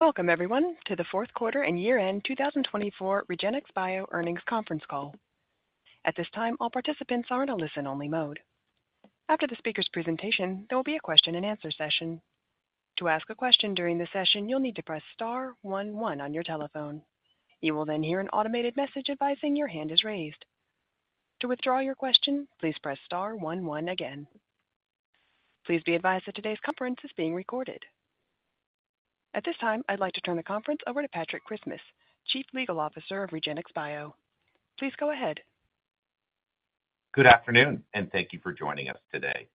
Welcome, everyone, to the fourth quarter and year-end 2024 REGENXBIO earnings conference call. At this time, all participants are in a listen-only mode. After the speaker's presentation, there will be a question and answer session. To ask a question during the session, you'll need to press star one one on your telephone. You will then hear an automated message advising your hand is raised. To withdraw your question, please press star one one again. Please be advised that today's conference is being recorded. At this time, I'd like to turn the conference over to Patrick Christmas, Chief Legal Officer of REGENXBIO. Please go ahead. Good afternoon, and thank you for joining us today.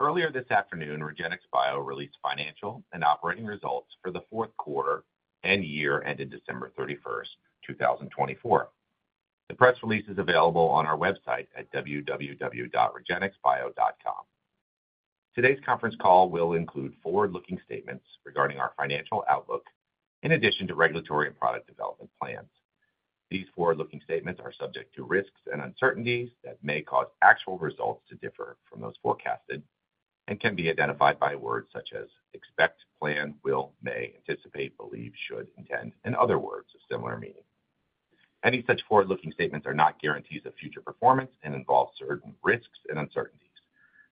Earlier this afternoon, REGENXBIO released financial and operating results for the fourth quarter and year-ending December 31st, 2024. The press release is available on our website at www.regenxbio.com. Today's conference call will include forward-looking statements regarding our financial outlook, in addition to regulatory and product development plans. These forward-looking statements are subject to risks and uncertainties that may cause actual results to differ from those forecasted and can be identified by words such as expect, plan, will, may, anticipate, believe, should, intend, and other words of similar meaning. Any such forward-looking statements are not guarantees of future performance and involve certain risks and uncertainties.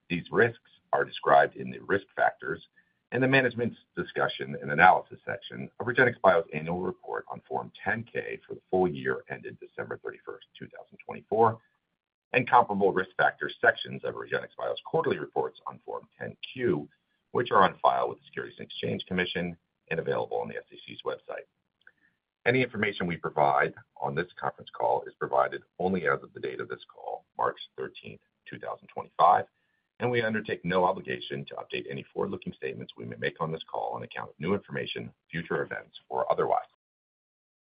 These risks are described in the risk factors and the management's discussion and analysis section of REGENXBIO's annual report on Form 10-K for the full year ended December 31st, 2024, and comparable risk factor sections of REGENXBIO's quarterly reports on Form 10-Q, which are on file with the Securities and Exchange Commission and available on the SEC's website. Any information we provide on this conference call is provided only as of the date of this call, March 13th, 2025, and we undertake no obligation to update any forward-looking statements we may make on this call on account of new information, future events, or otherwise.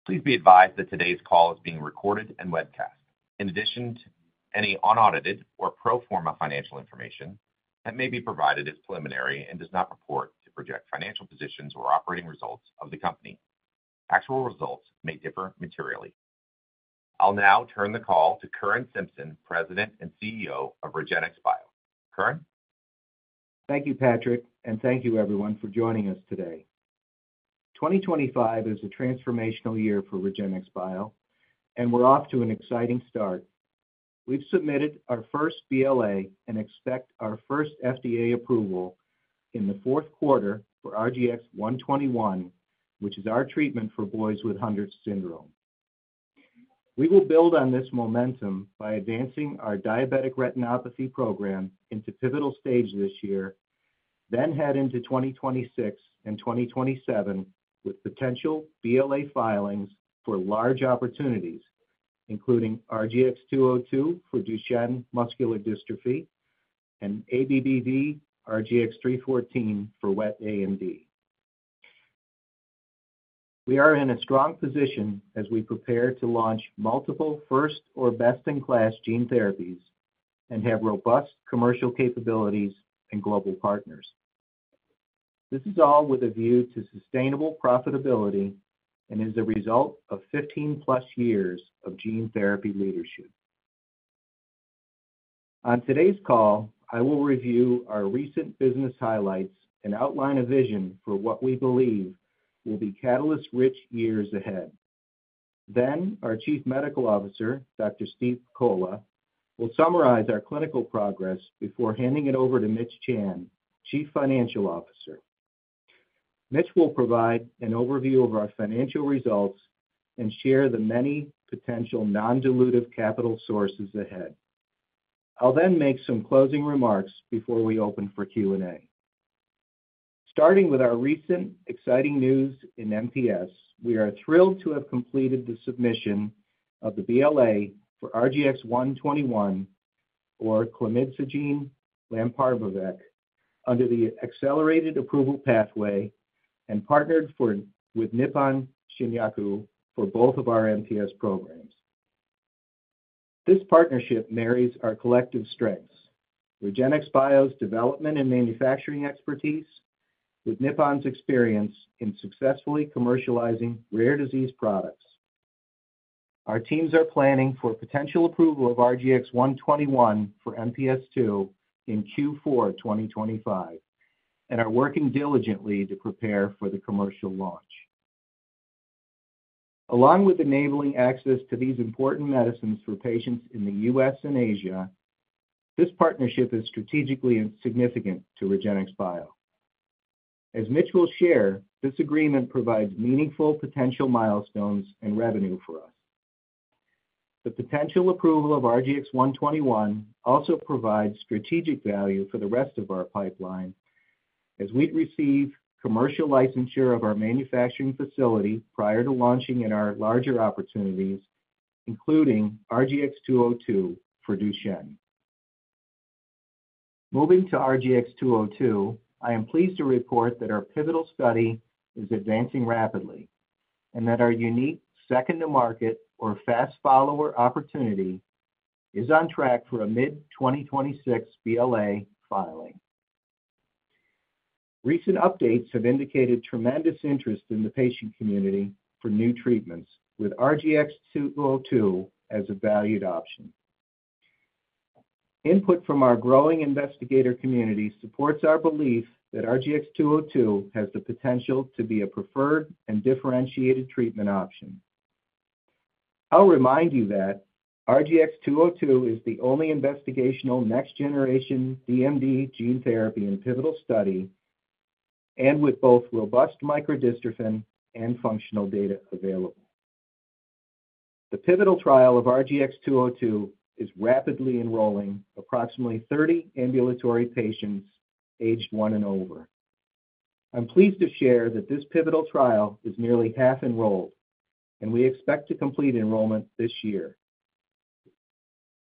Please be advised that today's call is being recorded and webcast. In addition to any unaudited or pro forma financial information that may be provided as preliminary and does not purport to project financial positions or operating results of the company, actual results may differ materially. I'll now turn the call to Curran Simpson, President and CEO of REGENXBIO. Curran. Thank you, Patrick, and thank you, everyone, for joining us today. 2025 is a transformational year for REGENXBIO, and we're off to an exciting start. We've submitted our first BLA and expect our first FDA approval in the fourth quarter for RGX-121, which is our treatment for boys with Hunter syndrome. We will build on this momentum by advancing our diabetic retinopathy program into pivotal stage this year, then head into 2026 and 2027 with potential BLA filings for large opportunities, including RGX-202 for Duchenne muscular dystrophy and ABBV-RGX-314 for wet AMD. We are in a strong position as we prepare to launch multiple first or best-in-class gene therapies and have robust commercial capabilities and global partners. This is all with a view to sustainable profitability and is a result of 15+ years of gene therapy leadership. On today's call, I will review our recent business highlights and outline a vision for what we believe will be catalyst-rich years ahead. Our Chief Medical Officer, Dr. Steve Pakola, will summarize our clinical progress before handing it over to Mitch Chan, Chief Financial Officer. Mitch will provide an overview of our financial results and share the many potential non-dilutive capital sources ahead. I'll then make some closing remarks before we open for Q&A. Starting with our recent exciting news in MPS, we are thrilled to have completed the submission of the BLA for RGX-121, or clemidsogene lanparvovec, under the accelerated approval pathway and partnered with Nippon Shinyaku for both of our MPS programs. This partnership marries our collective strengths: REGENXBIO's development and manufacturing expertise with Nippon's experience in successfully commercializing rare disease products. Our teams are planning for potential approval of RGX-121 for MPS II in Q4 2025 and are working diligently to prepare for the commercial launch. Along with enabling access to these important medicines for patients in the U.S. and Asia, this partnership is strategically significant to REGENXBIO. As Mitch will share, this agreement provides meaningful potential milestones and revenue for us. The potential approval of RGX-121 also provides strategic value for the rest of our pipeline as we receive commercial licensure of our manufacturing facility prior to launching in our larger opportunities, including RGX-202 for Duchenne. Moving to RGX-202, I am pleased to report that our pivotal study is advancing rapidly and that our unique second-to-market or fast-follower opportunity is on track for a mid-2026 BLA filing. Recent updates have indicated tremendous interest in the patient community for new treatments, with RGX-202 as a valued option. Input from our growing investigator community supports our belief that RGX-202 has the potential to be a preferred and differentiated treatment option. I'll remind you that RGX-202 is the only investigational next-generation DMD gene therapy and pivotal study, and with both robust microdystrophin and functional data available. The pivotal trial of RGX-202 is rapidly enrolling approximately 30 ambulatory patients aged one and over. I'm pleased to share that this pivotal trial is nearly half enrolled, and we expect to complete enrollment this year.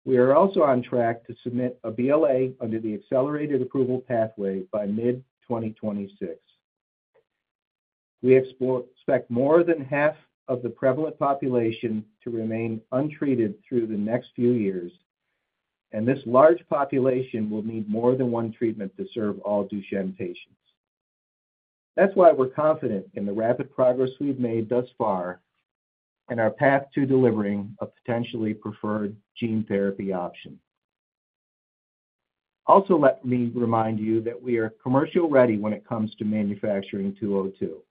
We are also on track to submit a BLA under the accelerated approval pathway by mid-2026. We expect more than half of the prevalent population to remain untreated through the next few years, and this large population will need more than one treatment to serve all Duchenne patients. That's why we're confident in the rapid progress we've made thus far and our path to delivering a potentially preferred gene therapy option. Also, let me remind you that we are commercial-ready when it comes to manufacturing 202.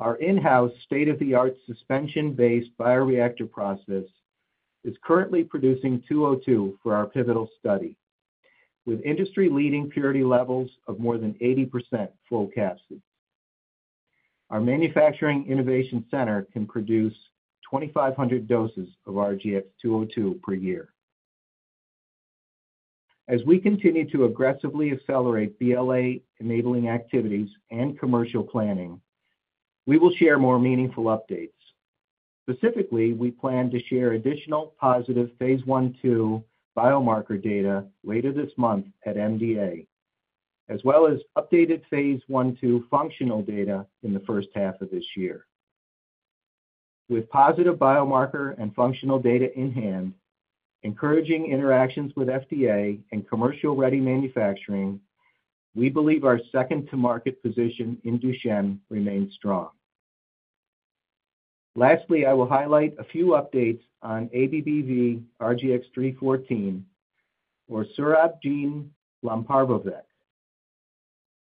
Our in-house state-of-the-art suspension-based bioreactor process is currently producing 202 for our pivotal study, with industry-leading purity levels of more than 80% full capacity. Our Manufacturing Innovation Center can produce 2,500 doses of RGX-202 per year. As we continue to aggressively accelerate BLA-enabling activities and commercial planning, we will share more meaningful updates. Specifically, we plan to share additional positive phase I/II biomarker data later this month at MDA, as well as updated phase I-II functional data in the first half of this year. With positive biomarker and functional data in hand, encouraging interactions with FDA and commercial-ready manufacturing, we believe our second-to-market position in Duchenne remains strong. Lastly, I will highlight a few updates on ABBV-RGX-314, or surabgene lomparvovec.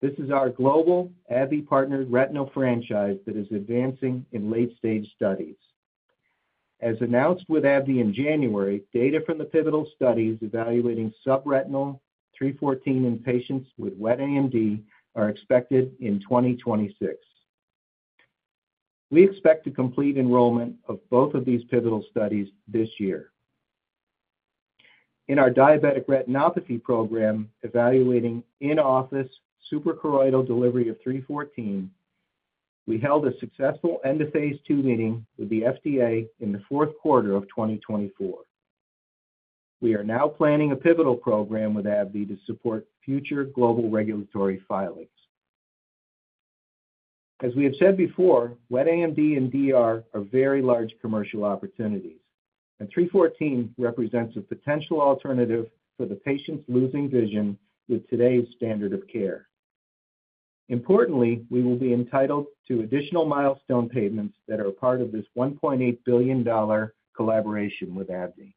This is our global AbbVie-partnered retinal franchise that is advancing in late-stage studies. As announced with AbbVie in January, data from the pivotal studies evaluating subretinal 314 in patients with wet AMD are expected in 2026. We expect to complete enrollment of both of these pivotal studies this year. In our diabetic retinopathy program evaluating in-office suprachoroidal delivery of 314, we held a successful end-of-phase II meeting with the FDA in the fourth quarter of 2024. We are now planning a pivotal program with AbbVie to support future global regulatory filings. As we have said before, wet AMD and DR are very large commercial opportunities, and 314 represents a potential alternative for the patients losing vision with today's standard of care. Importantly, we will be entitled to additional milestone payments that are part of this $1.8 billion collaboration with AbbVie.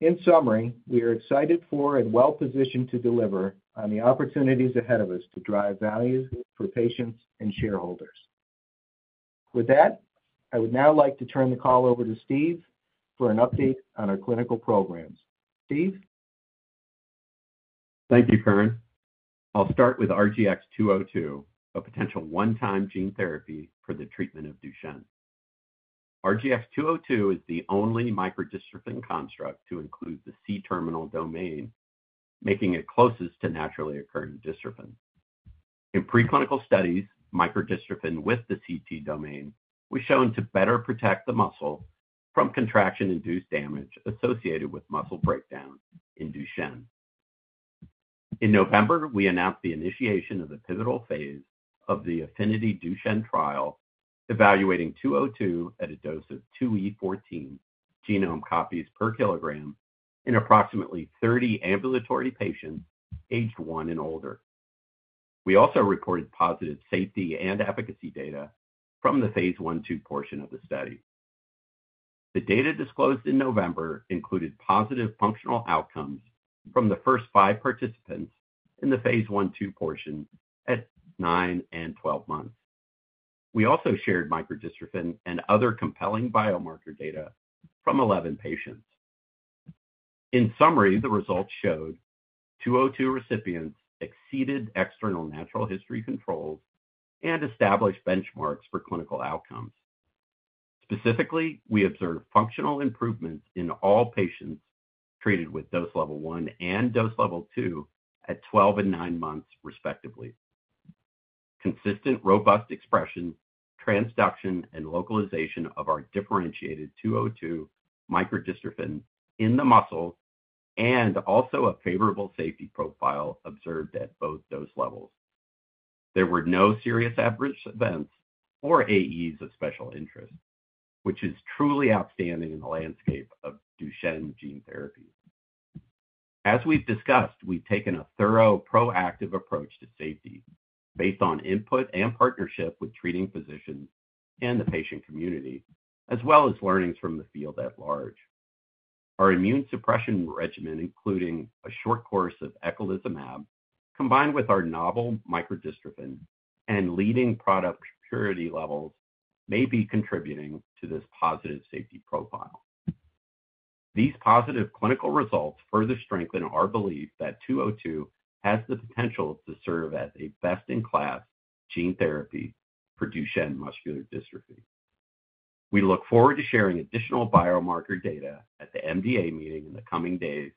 In summary, we are excited for and well-positioned to deliver on the opportunities ahead of us to drive value for patients and shareholders. With that, I would now like to turn the call over to Steve for an update on our clinical programs. Steve? Thank you, Curran. I'll start with RGX-202, a potential one-time gene therapy for the treatment of Duchenne. RGX-202 is the only microdystrophin construct to include the C-terminal domain, making it closest to naturally occurring dystrophin. In preclinical studies, microdystrophin with the C-terminal domain was shown to better protect the muscle from contraction-induced damage associated with muscle breakdown in Duchenne. In November, we announced the initiation of the pivotal phase of the Affinity Duchenne trial, evaluating 202 at a dose of 2E14 genome copies per kilogram in approximately 30 ambulatory patients aged one and older. We also reported positive safety and efficacy data from the phase I/II portion of the study. The data disclosed in November included positive functional outcomes from the first five participants in the phase I/II portion at nine and 12 months. We also shared microdystrophin and other compelling biomarker data from 11 patients. In summary, the results showed 202 recipients exceeded external natural history controls and established benchmarks for clinical outcomes. Specifically, we observed functional improvements in all patients treated with dose level 1 and dose level 2 at 12 and nine months, respectively. Consistent robust expression, transduction, and localization of our differentiated 202 microdystrophin in the muscle and also a favorable safety profile observed at both dose levels. There were no serious adverse events or AEs of special interest, which is truly outstanding in the landscape of Duchenne gene therapy. As we've discussed, we've taken a thorough, proactive approach to safety based on input and partnership with treating physicians and the patient community, as well as learnings from the field at large. Our immune suppression regimen, including a short course of eculizumab, combined with our novel micro-dystrophin and leading product purity levels, may be contributing to this positive safety profile. These positive clinical results further strengthen our belief that 202 has the potential to serve as a best-in-class gene therapy for Duchenne muscular dystrophy. We look forward to sharing additional biomarker data at the MDA meeting in the coming days,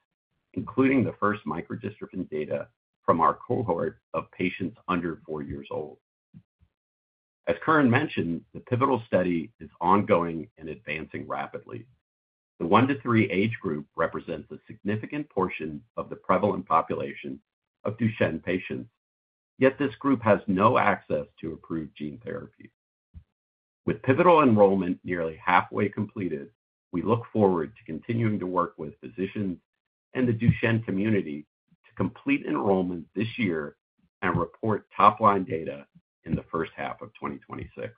including the first microdystrophin data from our cohort of patients under four years old. As Curran mentioned, the pivotal study is ongoing and advancing rapidly. The one to three age group represents a significant portion of the prevalent population of Duchenne patients, yet this group has no access to approved gene therapy. With pivotal enrollment nearly halfway completed, we look forward to continuing to work with physicians and the Duchenne community to complete enrollment this year and report top-line data in the first half of 2026.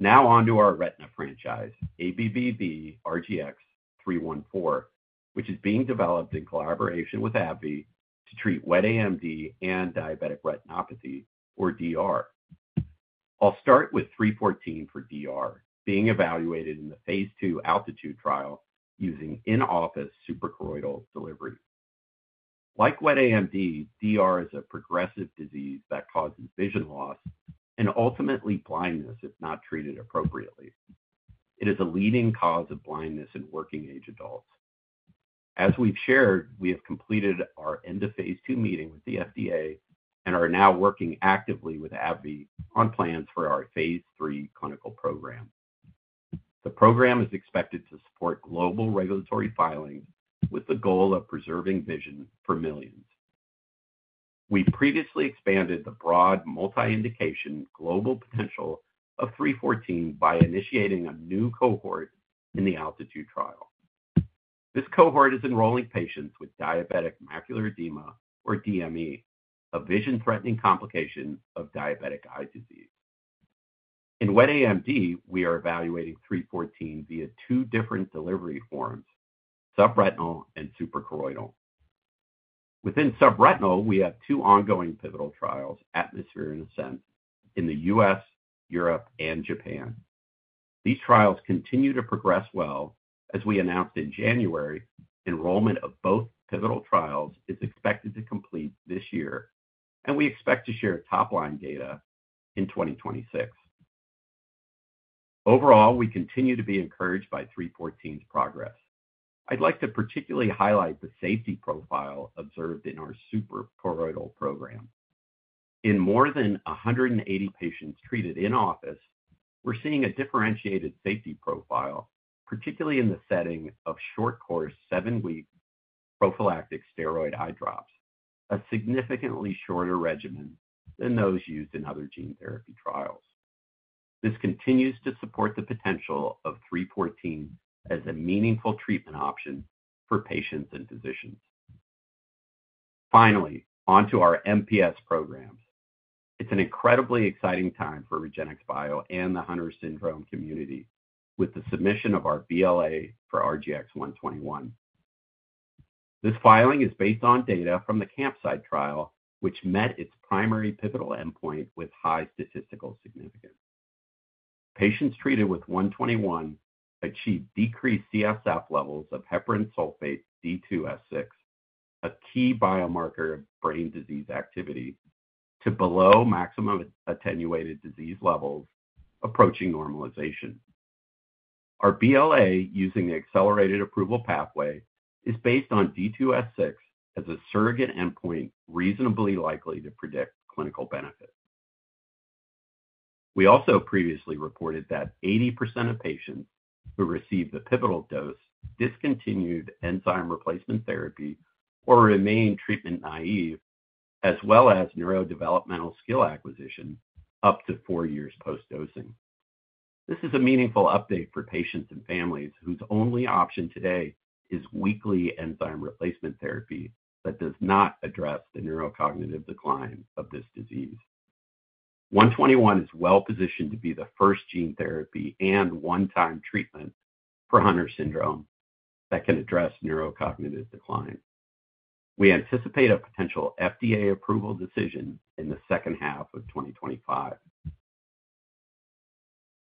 Now on to our retina franchise, ABBV-RGX-314, which is being developed in collaboration with AbbVie to treat wet AMD and diabetic retinopathy, or DR. I'll start with 314 for DR, being evaluated in the phase II ALTITUDE Trial using in-office suprachoroidal delivery. Like wet AMD, DR is a progressive disease that causes vision loss and ultimately blindness if not treated appropriately. It is a leading cause of blindness in working-age adults. As we've shared, we have completed our end-of-phase II meeting with the FDA and are now working actively with AbbVie on plans for our phase III clinical program. The program is expected to support global regulatory filings with the goal of preserving vision for millions. We previously expanded the broad multi-indication global potential of 314 by initiating a new cohort in the ALTITUDE trial. This cohort is enrolling patients with diabetic macular edema, or DME, a vision-threatening complication of diabetic eye disease. In wet AMD, we are evaluating 314 via two different delivery forms: subretinal and suprachoroidal. Within subretinal, we have two ongoing pivotal trials, Atmosphere and Ascent, in the U.S., Europe, and Japan. These trials continue to progress well. As we announced in January, enrollment of both pivotal trials is expected to complete this year, and we expect to share top-line data in 2026. Overall, we continue to be encouraged by 314's progress. I'd like to particularly highlight the safety profile observed in our suprachoroidal program. In more than 180 patients treated in office, we're seeing a differentiated safety profile, particularly in the setting of short-course seven-week prophylactic steroid eye drops, a significantly shorter regimen than those used in other gene therapy trials. This continues to support the potential of 314 as a meaningful treatment option for patients and physicians. Finally, on to our MPS programs. It's an incredibly exciting time for REGENXBIO and the Hunter syndrome community with the submission of our BLA for RGX-121. This filing is based on data from the CAMPSIITE Trial, which met its primary pivotal endpoint with high statistical significance. Patients treated with 121 achieved decreased CSF levels of heparan sulfate D2S6, a key biomarker of brain disease activity, to below maximum attenuated disease levels approaching normalization. Our BLA using the accelerated approval pathway is based on D2S6 as a surrogate endpoint reasonably likely to predict clinical benefit. We also previously reported that 80% of patients who received the pivotal dose discontinued enzyme replacement therapy or remained treatment naive, as well as neurodevelopmental skill acquisition up to four years post-dosing. This is a meaningful update for patients and families whose only option today is weekly enzyme replacement therapy that does not address the neurocognitive decline of this disease. 121 is well-positioned to be the first gene therapy and one-time treatment for Hunter syndrome that can address neurocognitive decline. We anticipate a potential FDA approval decision in the second half of 2025.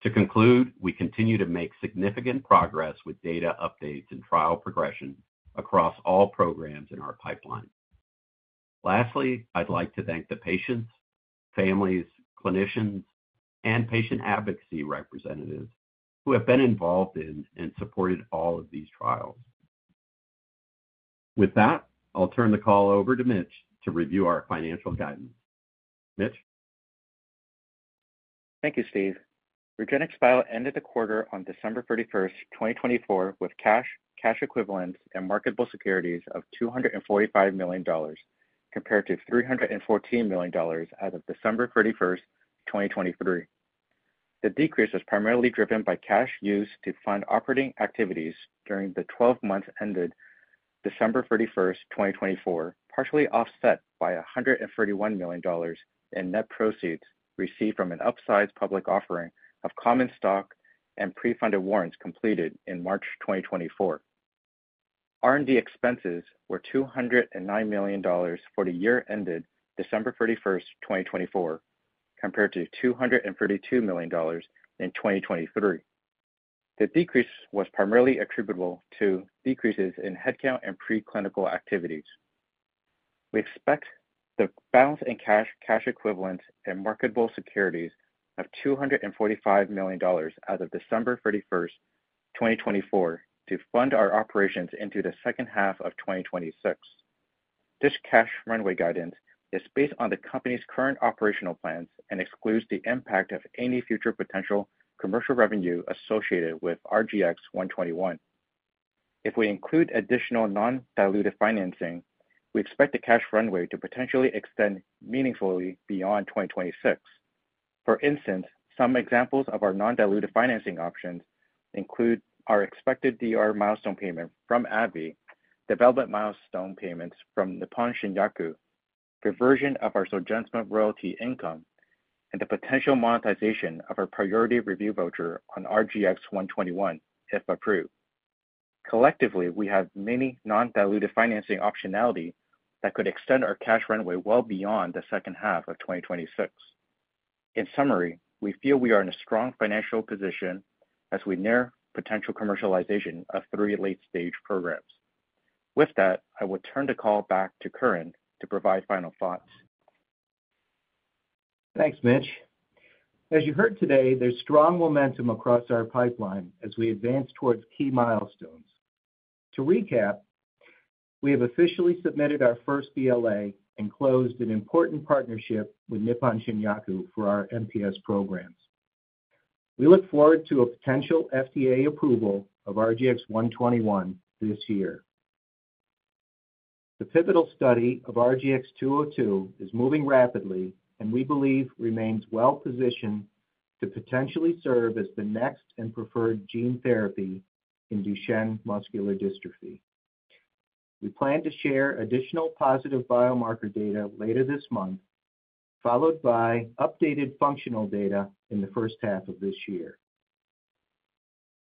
To conclude, we continue to make significant progress with data updates and trial progression across all programs in our pipeline. Lastly, I'd like to thank the patients, families, clinicians, and patient advocacy representatives who have been involved in and supported all of these trials. With that, I'll turn the call over to Mitch to review our financial guidance. Mitch? Thank you, Steve. REGENXBIO ended the quarter on December 31st, 2024, with cash, cash equivalents, and marketable securities of $245 million, compared to $314 million as of December 31st, 2023. The decrease was primarily driven by cash used to fund operating activities during the 12 months ended December 31st, 2024, partially offset by $131 million in net proceeds received from an upsized public offering of common stock and pre-funded warrants completed in March 2024. R&D expenses were $209 million for the year ended December 31st, 2024, compared to $232 million in 2023. The decrease was primarily attributable to decreases in headcount and preclinical activities. We expect the balance in cash, cash equivalents, and marketable securities of $245 million as of December 31st, 2024, to fund our operations into the second half of 2026. This cash runway guidance is based on the company's current operational plans and excludes the impact of any future potential commercial revenue associated with RGX-121. If we include additional non-dilutive financing, we expect the cash runway to potentially extend meaningfully beyond 2026. For instance, some examples of our non-dilutive financing options include our expected DR milestone payment from AbbVie, development milestone payments from Nippon Shinyaku, reversion of our Zolgensma royalty income, and the potential monetization of our priority review voucher on RGX-121, if approved. Collectively, we have many non-dilutive financing optionalities that could extend our cash runway well beyond the second half of 2026. In summary, we feel we are in a strong financial position as we near potential commercialization of three late-stage programs. With that, I will turn the call back to Curran to provide final thoughts. Thanks, Mitch. As you heard today, there's strong momentum across our pipeline as we advance towards key milestones. To recap, we have officially submitted our first BLA and closed an important partnership with Nippon Shinyaku for our MPS programs. We look forward to a potential FDA approval of RGX-121 this year. The pivotal study of RGX-202 is moving rapidly, and we believe remains well-positioned to potentially serve as the next and preferred gene therapy in Duchenne muscular dystrophy. We plan to share additional positive biomarker data later this month, followed by updated functional data in the first half of this year.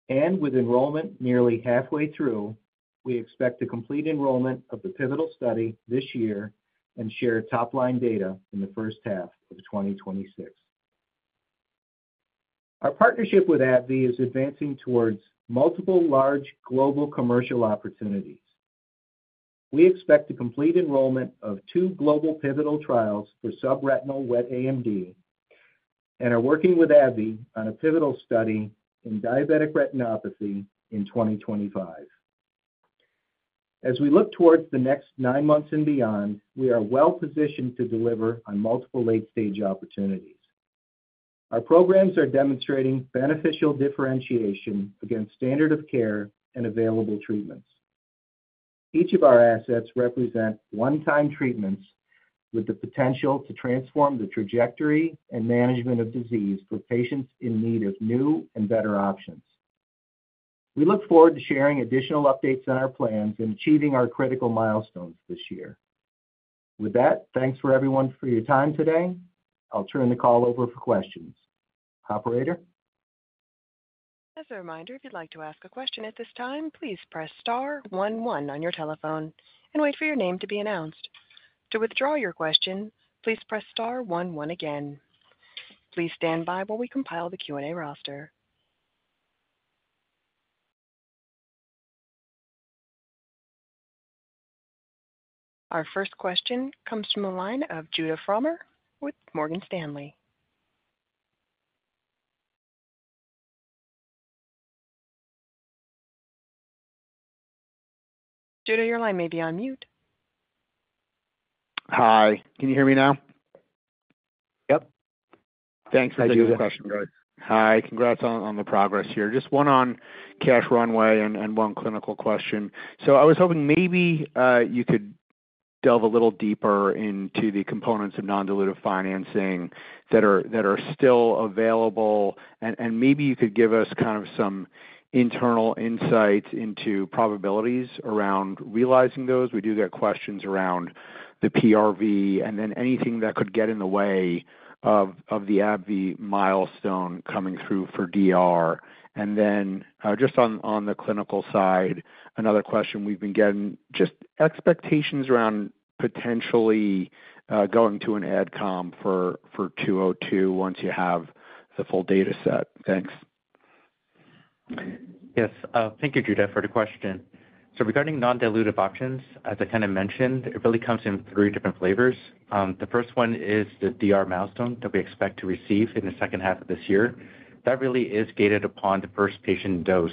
With enrollment nearly halfway through, we expect to complete enrollment of the pivotal study this year and share top-line data in the first half of 2026. Our partnership with AbbVie is advancing towards multiple large global commercial opportunities. We expect to complete enrollment of two global pivotal trials for subretinal wet AMD and are working with AbbVie on a pivotal study in diabetic retinopathy in 2025. As we look towards the next nine months and beyond, we are well-positioned to deliver on multiple late-stage opportunities. Our programs are demonstrating beneficial differentiation against standard of care and available treatments. Each of our assets represent one-time treatments with the potential to transform the trajectory and management of disease for patients in need of new and better options. We look forward to sharing additional updates on our plans and achieving our critical milestones this year. With that, thanks everyone for your time today. I'll turn the call over for questions. Operator? As a reminder, if you'd like to ask a question at this time, please press star one one on your telephone and wait for your name to be announced. To withdraw your question, please press star one one again. Please stand by while we compile the Q&A roster. Our first question comes from the line of Judah Frommer with Morgan Stanley. Judah, your line may be on mute. Hi. Can you hear me now? Yep. Hi. Congrats on the progress here. Just one on cash runway and one clinical question. I was hoping maybe you could delve a little deeper into the components of non-dilutive financing that are still available, and maybe you could give us kind of some internal insights into probabilities around realizing those. We do get questions around the PRV and then anything that could get in the way of the AbbVie milestone coming through for DR. Just on the clinical side, another question we've been getting is expectations around potentially going to an AdCom for 202 once you have the full data set. Thanks. Yes. Thank you, Judah, for the question. Regarding non-dilutive options, as I kind of mentioned, it really comes in three different flavors. The first one is the DR milestone that we expect to receive in the second half of this year. That really is gated upon the first patient dose.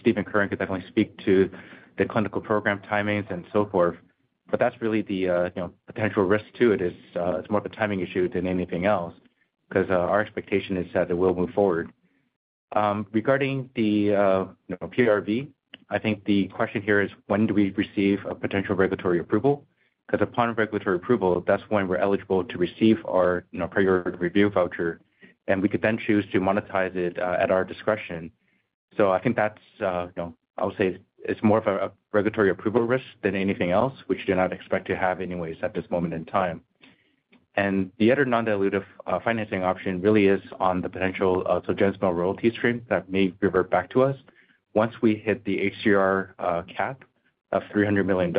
Steve and Curran could definitely speak to the clinical program timings and so forth. That is really the potential risk to it. It is more of a timing issue than anything else because our expectation is that it will move forward. Regarding the PRV, I think the question here is, when do we receive a potential regulatory approval? Because upon regulatory approval, that is when we are eligible to receive our priority review voucher, and we could then choose to monetize it at our discretion. I think that's, I would say, it's more of a regulatory approval risk than anything else, which you do not expect to have anyways at this moment in time. The other non-dilutive financing option really is on the potential Zolgensma royalty stream that may revert back to us. Once we hit the HCR cap of $300 million,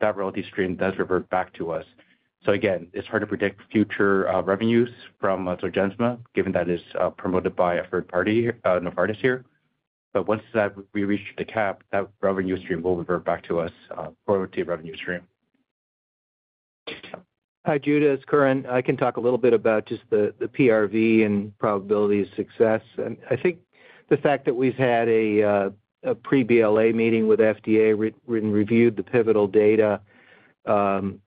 that royalty stream does revert back to us. Again, it's hard to predict future revenues from Zolgensma, given that it's promoted by a third party, Novartis here. Once we reach the cap, that revenue stream will revert back to us, royalty revenue stream. Hi, Judah. It's Curran. I can talk a little bit about just the PRV and probability of success. I think the fact that we've had a pre-BLA meeting with FDA and reviewed the pivotal data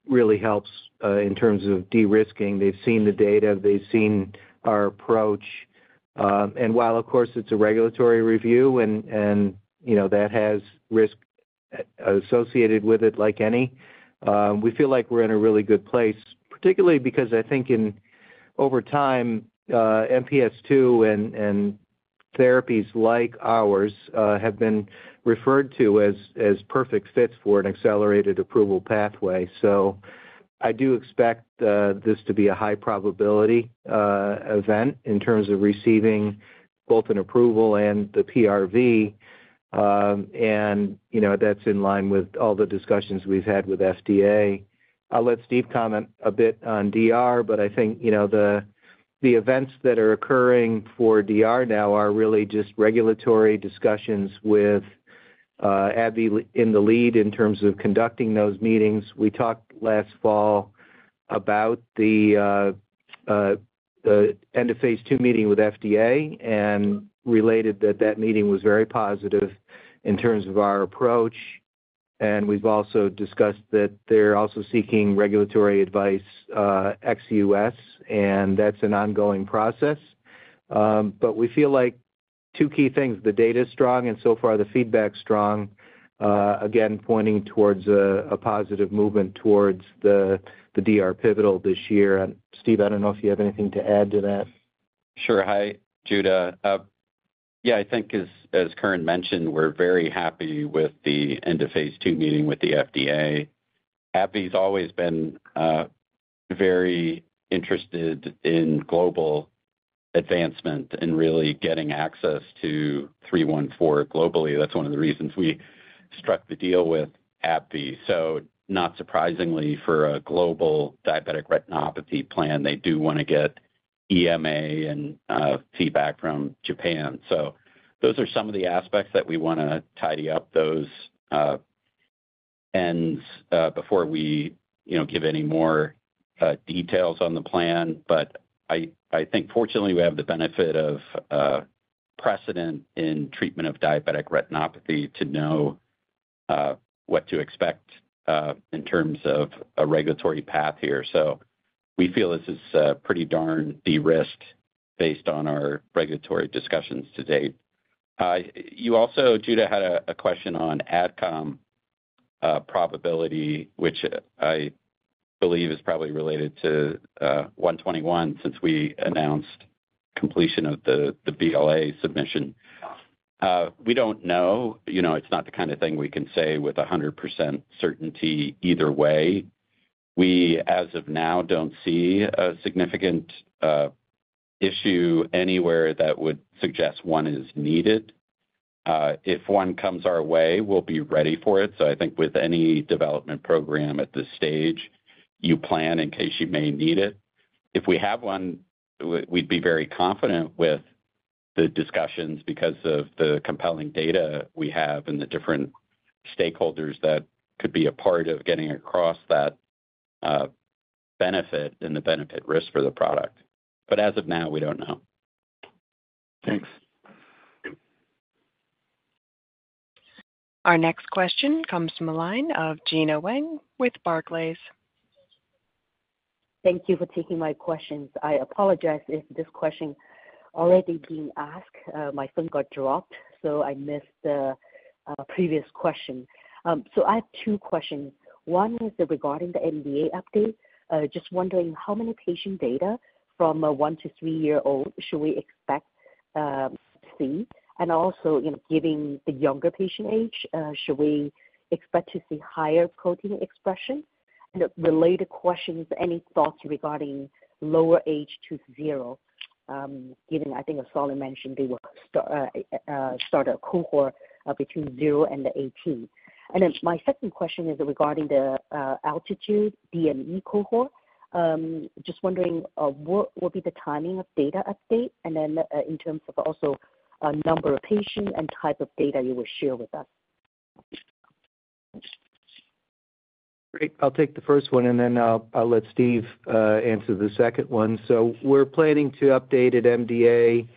really helps in terms of de-risking. They've seen the data. They've seen our approach. While, of course, it's a regulatory review, and that has risk associated with it like any, we feel like we're in a really good place, particularly because I think over time, MPS II and therapies like ours have been referred to as perfect fits for an accelerated approval pathway. I do expect this to be a high probability event in terms of receiving both an approval and the PRV. That's in line with all the discussions we've had with FDA. I'll let Steve comment a bit on DR, but I think the events that are occurring for DR now are really just regulatory discussions with AbbVie in the lead in terms of conducting those meetings. We talked last fall about the end of phase II meeting with FDA and related that that meeting was very positive in terms of our approach. We've also discussed that they're also seeking regulatory advice, XUS, and that's an ongoing process. We feel like two key things: the data is strong, and so far the feedback is strong, again, pointing towards a positive movement towards the DR pivotal this year. Steve, I don't know if you have anything to add to that. Sure. Hi, Judah. Yeah, I think, as Curran mentioned, we're very happy with the end of phase II meeting with the FDA. AbbVie has always been very interested in global advancement and really getting access to 314 globally. That's one of the reasons we struck the deal with AbbVie. Not surprisingly, for a global diabetic retinopathy plan, they do want to get EMA and feedback from Japan. Those are some of the aspects that we want to tidy up before we give any more details on the plan. I think, fortunately, we have the benefit of precedent in treatment of diabetic retinopathy to know what to expect in terms of a regulatory path here. We feel this is pretty darn de-risked based on our regulatory discussions to date. You also, Judah, had a question on AdCom probability, which I believe is probably related to 121 since we announced completion of the BLA submission. We do not know. It is not the kind of thing we can say with 100% certainty either way. We, as of now, do not see a significant issue anywhere that would suggest one is needed. If one comes our way, we will be ready for it. I think with any development program at this stage, you plan in case you may need it. If we have one, we would be very confident with the discussions because of the compelling data we have and the different stakeholders that could be a part of getting across that benefit and the benefit risk for the product. As of now, we do not know. Thanks. Our next question comes from a line of Gena Wang with Barclays. Thank you for taking my questions. I apologize if this question is already being asked. My phone got dropped, so I missed the previous question. I have two questions. One is regarding the NDA update. Just wondering how many patient data from one to three years old should we expect to see? Also, given the younger patient age, should we expect to see higher protein expression? Related questions, any thoughts regarding lower age to zero, given, I think, as mentioned, they will start a cohort between zero and 18. My second question is regarding the ALTITUDE DME cohort. Just wondering, what will be the timing of data update? In terms of also number of patients and type of data you will share with us? Great. I'll take the first one, and then I'll let Steve answer the second one. We're planning to update at MDA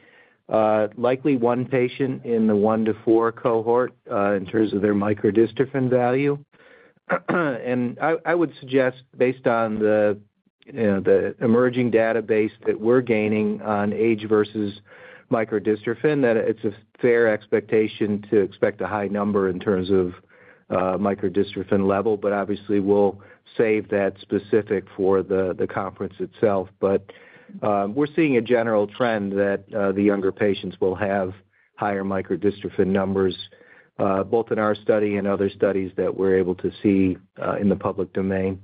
likely one patient in the one to four cohort in terms of their microdystrophin value. I would suggest, based on the emerging database that we're gaining on age versus microdystrophin, that it's a fair expectation to expect a high number in terms of microdystrophin level. Obviously, we'll save that specific for the conference itself. We're seeing a general trend that the younger patients will have higher microdystrophin numbers, both in our study and other studies that we're able to see in the public domain.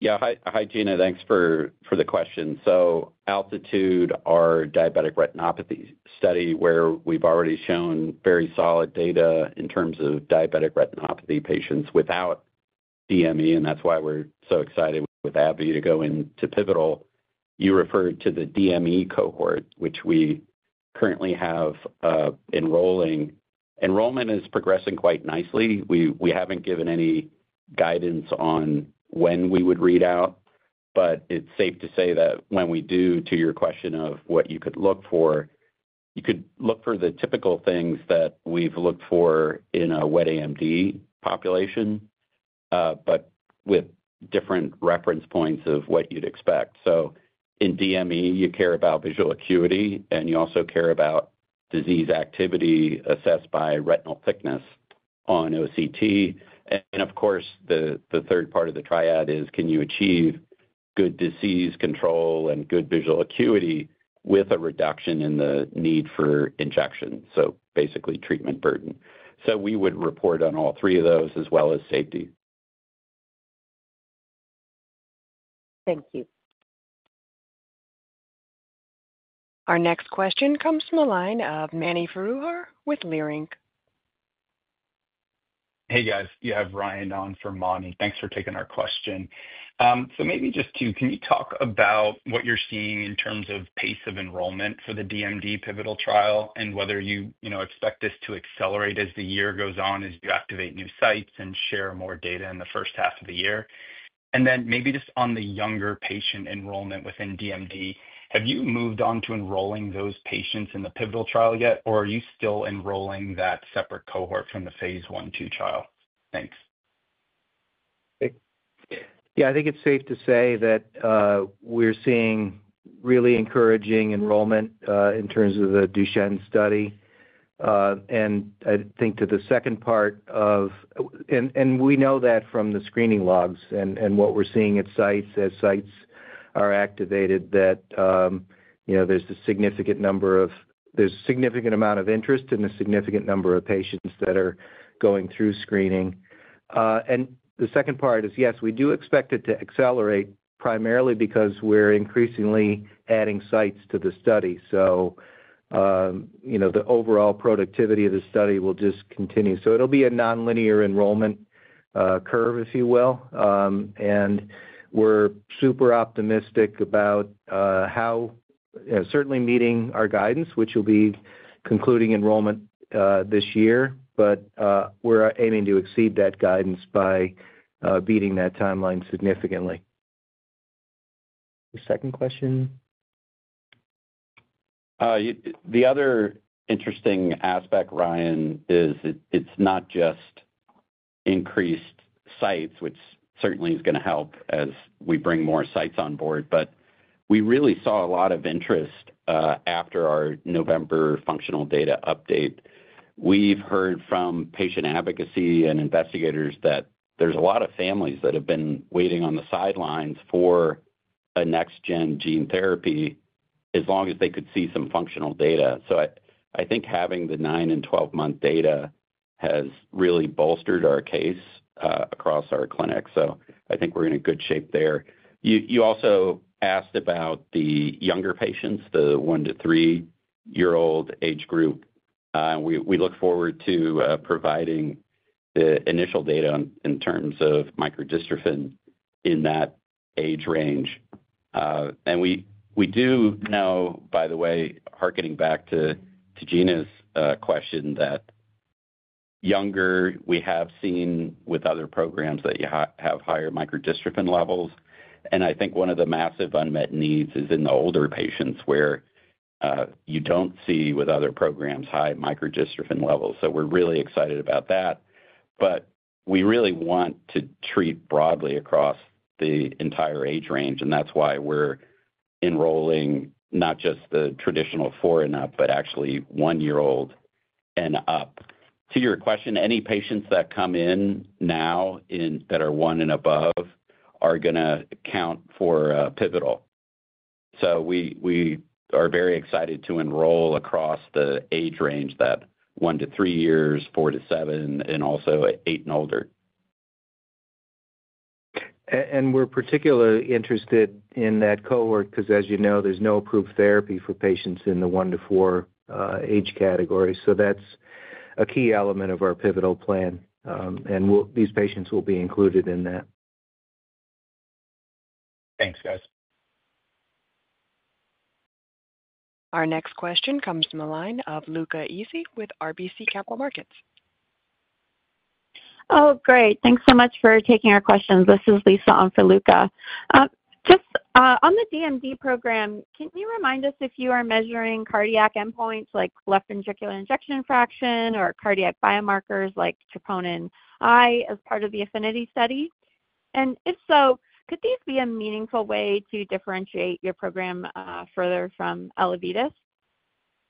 Yeah. Hi, Gena. Thanks for the question. ALTITUDE, our diabetic retinopathy study, where we've already shown very solid data in terms of diabetic retinopathy patients without DME, and that's why we're so excited with AbbVie to go into pivotal, you referred to the DME cohort, which we currently have enrolling. Enrollment is progressing quite nicely. We haven't given any guidance on when we would read out, but it's safe to say that when we do, to your question of what you could look for, you could look for the typical things that we've looked for in a wet AMD population, but with different reference points of what you'd expect. In DME, you care about visual acuity, and you also care about disease activity assessed by retinal thickness on OCT. The third part of the triad is, can you achieve good disease control and good visual acuity with a reduction in the need for injection? Basically, treatment burden. We would report on all three of those as well as safety. Thank you. Our next question comes from a line of Mani Foroohar with Leerink. Hey, guys. Yeah, I have Ryan on from Mani. Thanks for taking our question. Maybe just to, can you talk about what you're seeing in terms of pace of enrollment for the DMD pivotal trial and whether you expect this to accelerate as the year goes on, as you activate new sites and share more data in the first half of the year? Maybe just on the younger patient enrollment within DMD, have you moved on to enrolling those patients in the pivotal trial yet, or are you still enrolling that separate cohort from the phase I/II trial? Thanks. Yeah, I think it's safe to say that we're seeing really encouraging enrollment in terms of the Duchenne study. I think to the second part of, and we know that from the screening logs and what we're seeing at sites as sites are activated, that there's a significant amount of interest and a significant number of patients that are going through screening. The second part is, yes, we do expect it to accelerate primarily because we're increasingly adding sites to the study. The overall productivity of the study will just continue. It'll be a non-linear enrollment curve, if you will. We're super optimistic about how, certainly meeting our guidance, which will be concluding enrollment this year, but we're aiming to exceed that guidance by beating that timeline significantly. The second question. The other interesting aspect, Ryan, is it's not just increased sites, which certainly is going to help as we bring more sites on board, but we really saw a lot of interest after our November functional data update. We've heard from patient advocacy and investigators that there's a lot of families that have been waiting on the sidelines for a next-gen gene therapy as long as they could see some functional data. I think having the nine and 12-month data has really bolstered our case across our clinic. I think we're in a good shape there. You also asked about the younger patients, the one to three-year-old age group. We look forward to providing the initial data in terms of microdystrophin in that age range. We do know, by the way, harkening back to Gena's question, that younger, we have seen with other programs that you have higher microdystrophin levels. I think one of the massive unmet needs is in the older patients where you do not see with other programs high microdystrophin levels. We are really excited about that. We really want to treat broadly across the entire age range. That is why we are enrolling not just the traditional four and up, but actually one-year-old and up. To your question, any patients that come in now that are one and above are going to account for pivotal. We are very excited to enroll across the age range, that one to three years, four to seven, and also eight and older. We are particularly interested in that cohort because, as you know, there is no approved therapy for patients in the one to four age category. That is a key element of our pivotal plan. These patients will be included in that. Thanks, guys. Our next question comes from a line of Luca Issi with RBC Capital Markets. Oh, great. Thanks so much for taking our questions. This is Lisa on for Luca. Just on the DMD program, can you remind us if you are measuring cardiac endpoints like left ventricular ejection fraction or cardiac biomarkers like troponin I as part of the AFFINITY study? If so, could these be a meaningful way to differentiate your program further from Allovidis?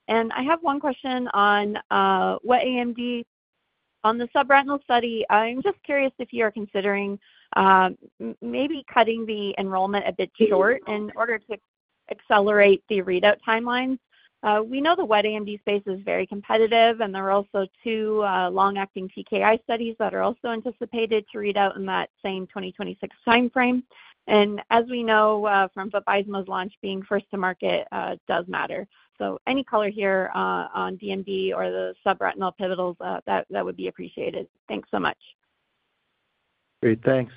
I have one question on wet AMD on the subretinal study. I'm just curious if you are considering maybe cutting the enrollment a bit short in order to accelerate the readout timelines. We know the wet AMD space is very competitive, and there are also two long-acting TKI studies that are also anticipated to read out in that same 2026 timeframe. As we know from Zolgensma's launch, being first to market does matter. Any color here on DMD or the subretinal pivotals, that would be appreciated. Thanks so much. Great. Thanks.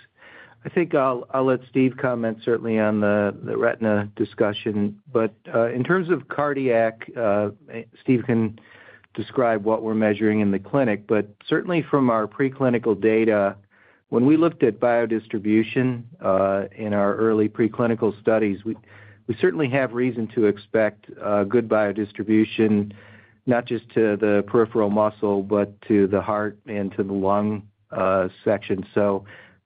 I think I'll let Steve comment certainly on the retina discussion. In terms of cardiac, Steve can describe what we're measuring in the clinic. Certainly from our preclinical data, when we looked at biodistribution in our early preclinical studies, we certainly have reason to expect good biodistribution, not just to the peripheral muscle, but to the heart and to the lung section.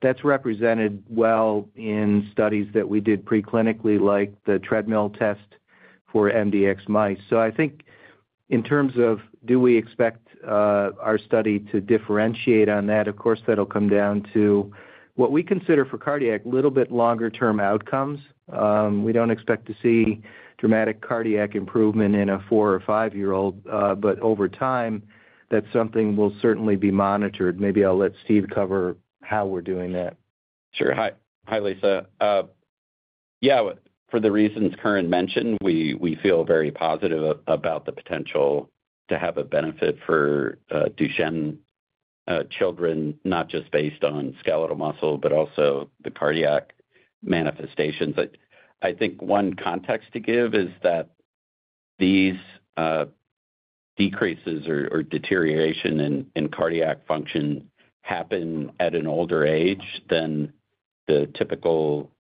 That is represented well in studies that we did preclinically, like the treadmill test for MDX mice. I think in terms of do we expect our study to differentiate on that, of course, that'll come down to what we consider for cardiac a little bit longer-term outcomes. We don't expect to see dramatic cardiac improvement in a four or five-year-old, but over time, that's something we'll certainly be monitoring. Maybe I'll let Steve cover how we're doing that. Sure. Hi, Lisa. Yeah, for the reasons Curran mentioned, we feel very positive about the potential to have a benefit for Duchenne children, not just based on skeletal muscle, but also the cardiac manifestations. I think one context to give is that these decreases or deterioration in cardiac function happen at an older age than the typical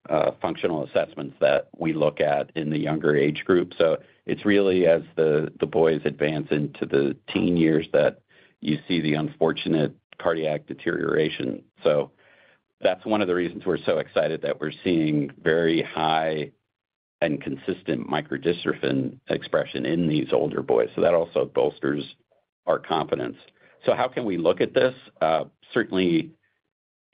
functional assessments that we look at in the younger age group. It is really as the boys advance into the teen years that you see the unfortunate cardiac deterioration. That is one of the reasons we are so excited that we are seeing very high and consistent microdystrophin expression in these older boys. That also bolsters our confidence. How can we look at this? Certainly,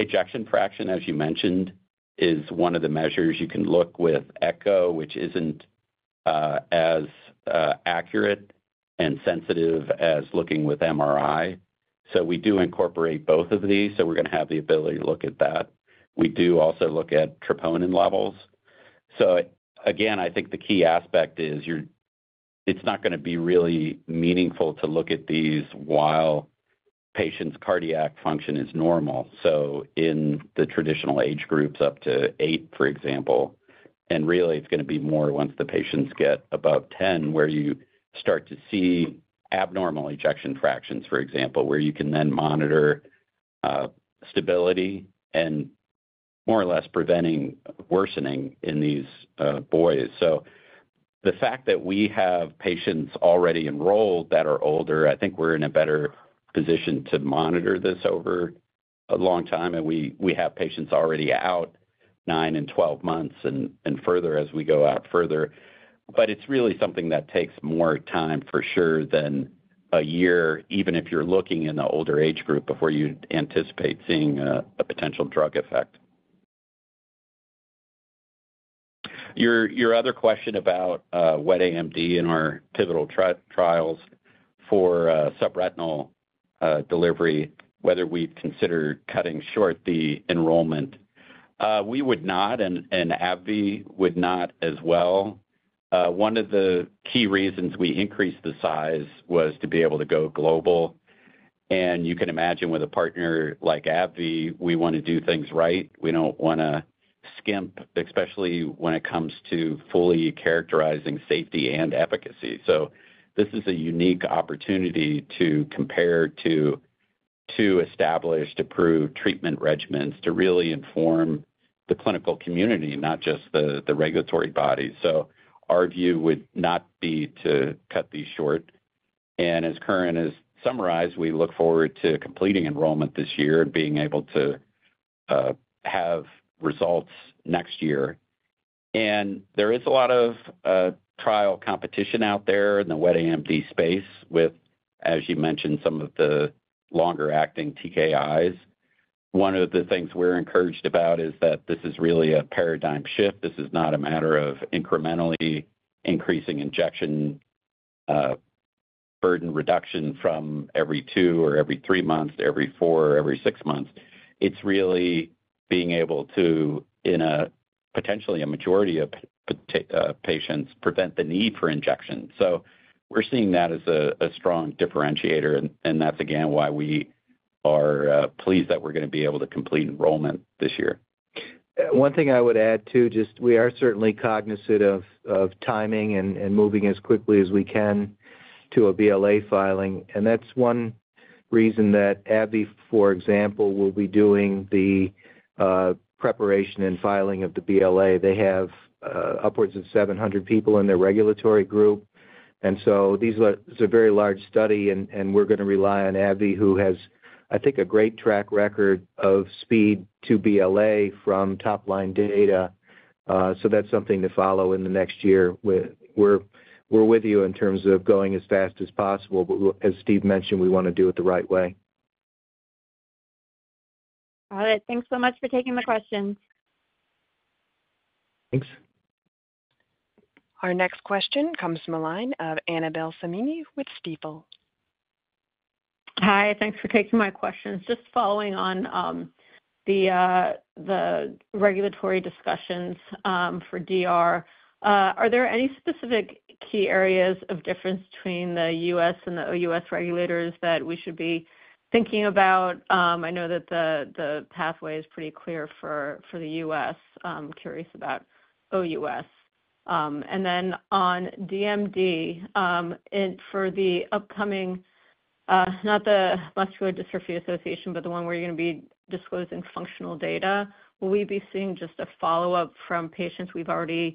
ejection fraction, as you mentioned, is one of the measures you can look with echo, which is not as accurate and sensitive as looking with MRI. We do incorporate both of these. We're going to have the ability to look at that. We do also look at troponin levels. Again, I think the key aspect is it's not going to be really meaningful to look at these while patients' cardiac function is normal. In the traditional age groups up to eight, for example, and really it's going to be more once the patients get above 10 where you start to see abnormal ejection fractions, for example, where you can then monitor stability and more or less preventing worsening in these boys. The fact that we have patients already enrolled that are older, I think we're in a better position to monitor this over a long time. We have patients already out nine and 12 months and further as we go out further. It's really something that takes more time for sure than a year, even if you're looking in the older age group before you anticipate seeing a potential drug effect. Your other question about wet AMD and our pivotal trials for subretinal delivery, whether we've considered cutting short the enrollment, we would not, and AbbVie would not as well. One of the key reasons we increased the size was to be able to go global. You can imagine with a partner like AbbVie, we want to do things right. We don't want to skimp, especially when it comes to fully characterizing safety and efficacy. This is a unique opportunity to compare to two established, approved treatment regimens to really inform the clinical community, not just the regulatory body. Our view would not be to cut these short. As Curran has summarized, we look forward to completing enrollment this year and being able to have results next year. There is a lot of trial competition out there in the wet AMD space with, as you mentioned, some of the longer-acting TKIs. One of the things we're encouraged about is that this is really a paradigm shift. This is not a matter of incrementally increasing injection burden reduction from every two or every three months, every four, every six months. It's really being able to, in potentially a majority of patients, prevent the need for injection. We are seeing that as a strong differentiator. That is, again, why we are pleased that we're going to be able to complete enrollment this year. One thing I would add too, just we are certainly cognizant of timing and moving as quickly as we can to a BLA filing. That's one reason that AbbVie, for example, will be doing the preparation and filing of the BLA. They have upwards of 700 people in their regulatory group. This is a very large study, and we're going to rely on AbbVie, who has, I think, a great track record of speed to BLA from top-line data. That's something to follow in the next year. We're with you in terms of going as fast as possible. As Steve mentioned, we want to do it the right way. Got it. Thanks so much for taking the questions. Thanks. Our next question comes from a line of Annabelle Samimy with Stifel. Hi. Thanks for taking my questions. Just following on the regulatory discussions for DR, are there any specific key areas of difference between the U.S. and the OUS regulators that we should be thinking about? I know that the pathway is pretty clear for the U.S. I'm curious about OUS. On DMD, for the upcoming, not the Muscular Dystrophy Association, but the one where you're going to be disclosing functional data, will we be seeing just a follow-up from patients you've already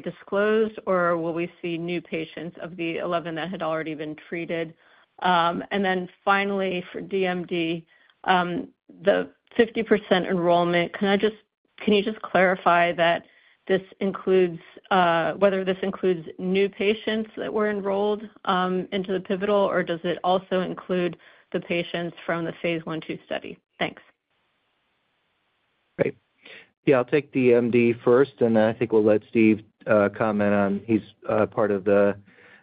disclosed, or will we see new patients of the 11 that had already been treated? Finally, for DMD, the 50% enrollment, can you just clarify that this includes whether this includes new patients that were enrolled into the pivotal, or does it also include the patients from the phase I/II study? Thanks. Great. Yeah, I'll take DMD first, and then I think we'll let Steve comment on. He's part of the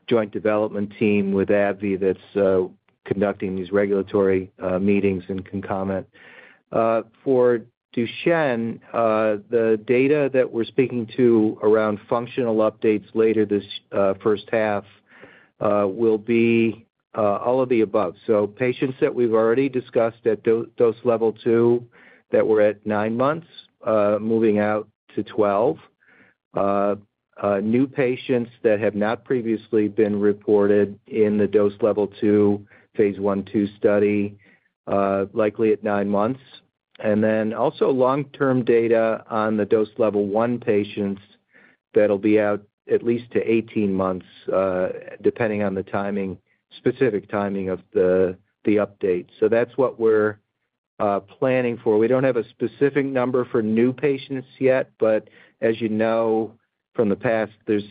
joint development team with AbbVie that's conducting these regulatory meetings and can comment. For Duchenne, the data that we're speaking to around functional updates later this first half will be all of the above. So patients that we've already discussed at dose level two that were at nine months, moving out to 12, new patients that have not previously been reported in the dose level two phase I/II study, likely at nine months. Also, long-term data on the dose level one patients that'll be out at least to 18 months, depending on the specific timing of the update. That's what we're planning for. We don't have a specific number for new patients yet, but as you know from the past, there's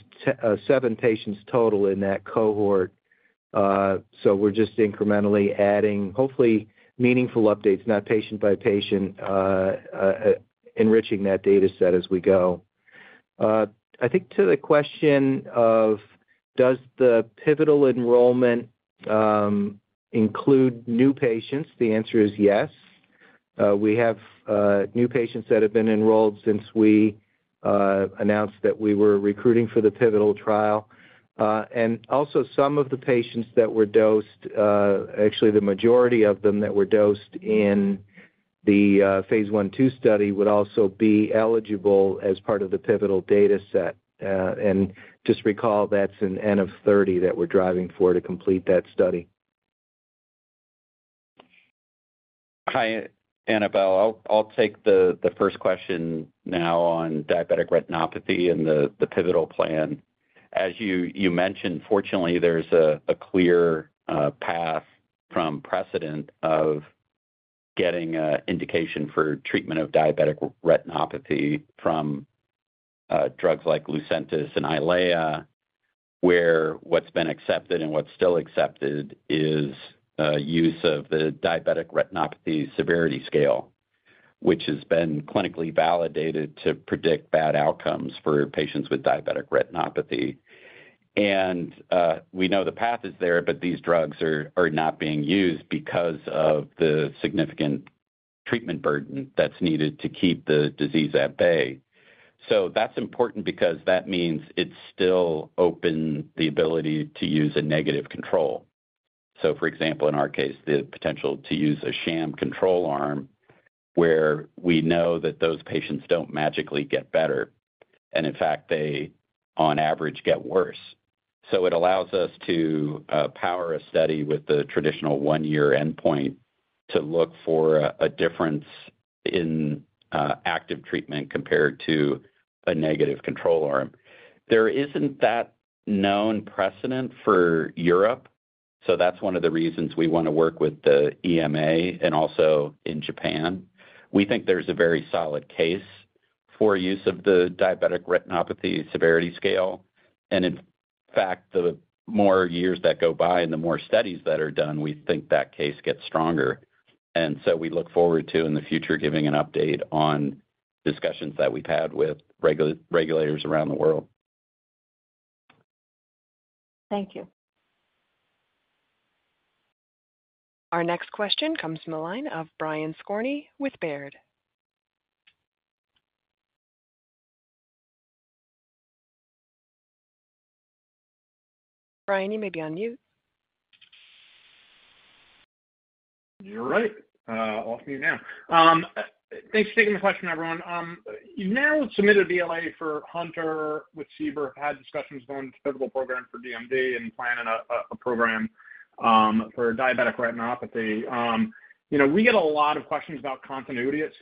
seven patients total in that cohort. We're just incrementally adding, hopefully, meaningful updates, not patient-by-patient, enriching that dataset as we go. I think to the question of does the pivotal enrollment include new patients, the answer is yes. We have new patients that have been enrolled since we announced that we were recruiting for the pivotal trial. Also, some of the patients that were dosed, actually the majority of them that were dosed in the phase I/II study, would also be eligible as part of the pivotal dataset. Just recall that's an N of 30 that we're driving for to complete that study. Hi, Annabelle. I'll take the first question now on diabetic retinopathy and the pivotal plan. As you mentioned, fortunately, there's a clear path from precedent of getting an indication for treatment of diabetic retinopathy from drugs like Lucentis and Eylea, where what's been accepted and what's still accepted is use of the diabetic retinopathy severity scale, which has been clinically validated to predict bad outcomes for patients with diabetic retinopathy. We know the path is there, but these drugs are not being used because of the significant treatment burden that's needed to keep the disease at bay. That means it still opens the ability to use a negative control. For example, in our case, the potential to use a sham control arm where we know that those patients don't magically get better. In fact, they on average get worse. It allows us to power a study with the traditional one-year endpoint to look for a difference in active treatment compared to a negative control arm. There isn't that known precedent for Europe. That is one of the reasons we want to work with the EMA and also in Japan. We think there is a very solid case for use of the diabetic retinopathy severity scale. In fact, the more years that go by and the more studies that are done, we think that case gets stronger. We look forward to in the future giving an update on discussions that we have had with regulators around the world. Thank you. Our next question comes from a line of Brian Skorney with Baird. Brian, you may be on mute. You're right. Off mute now. Thanks for taking the question, everyone. You've now submitted a BLA for Hunter with SIBR, had discussions going into the pivotal program for DMD and planning a program for diabetic retinopathy. We get a lot of questions about continuity at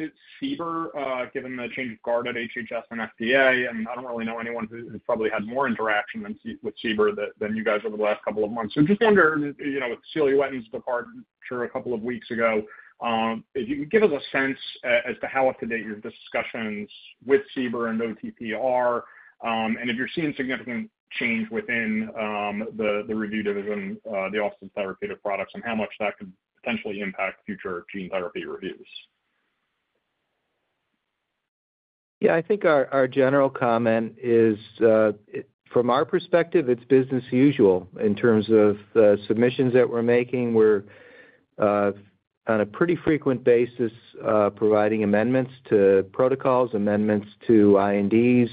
SIBR given the change of guard at HHS and FDA. I don't really know anyone who's probably had more interaction with SIBR than you guys over the last couple of months. I just wondered, with Celia Witten departing a couple of weeks ago, if you could give us a sense as to how up-to-date your discussions with SIBR and OTP are, and if you're seeing significant change within the review division, the Office of Therapeutic Products, and how much that could potentially impact future gene therapy reviews. Yeah, I think our general comment is, from our perspective, it's business as usual in terms of the submissions that we're making. We're on a pretty frequent basis providing amendments to protocols, amendments to INDs.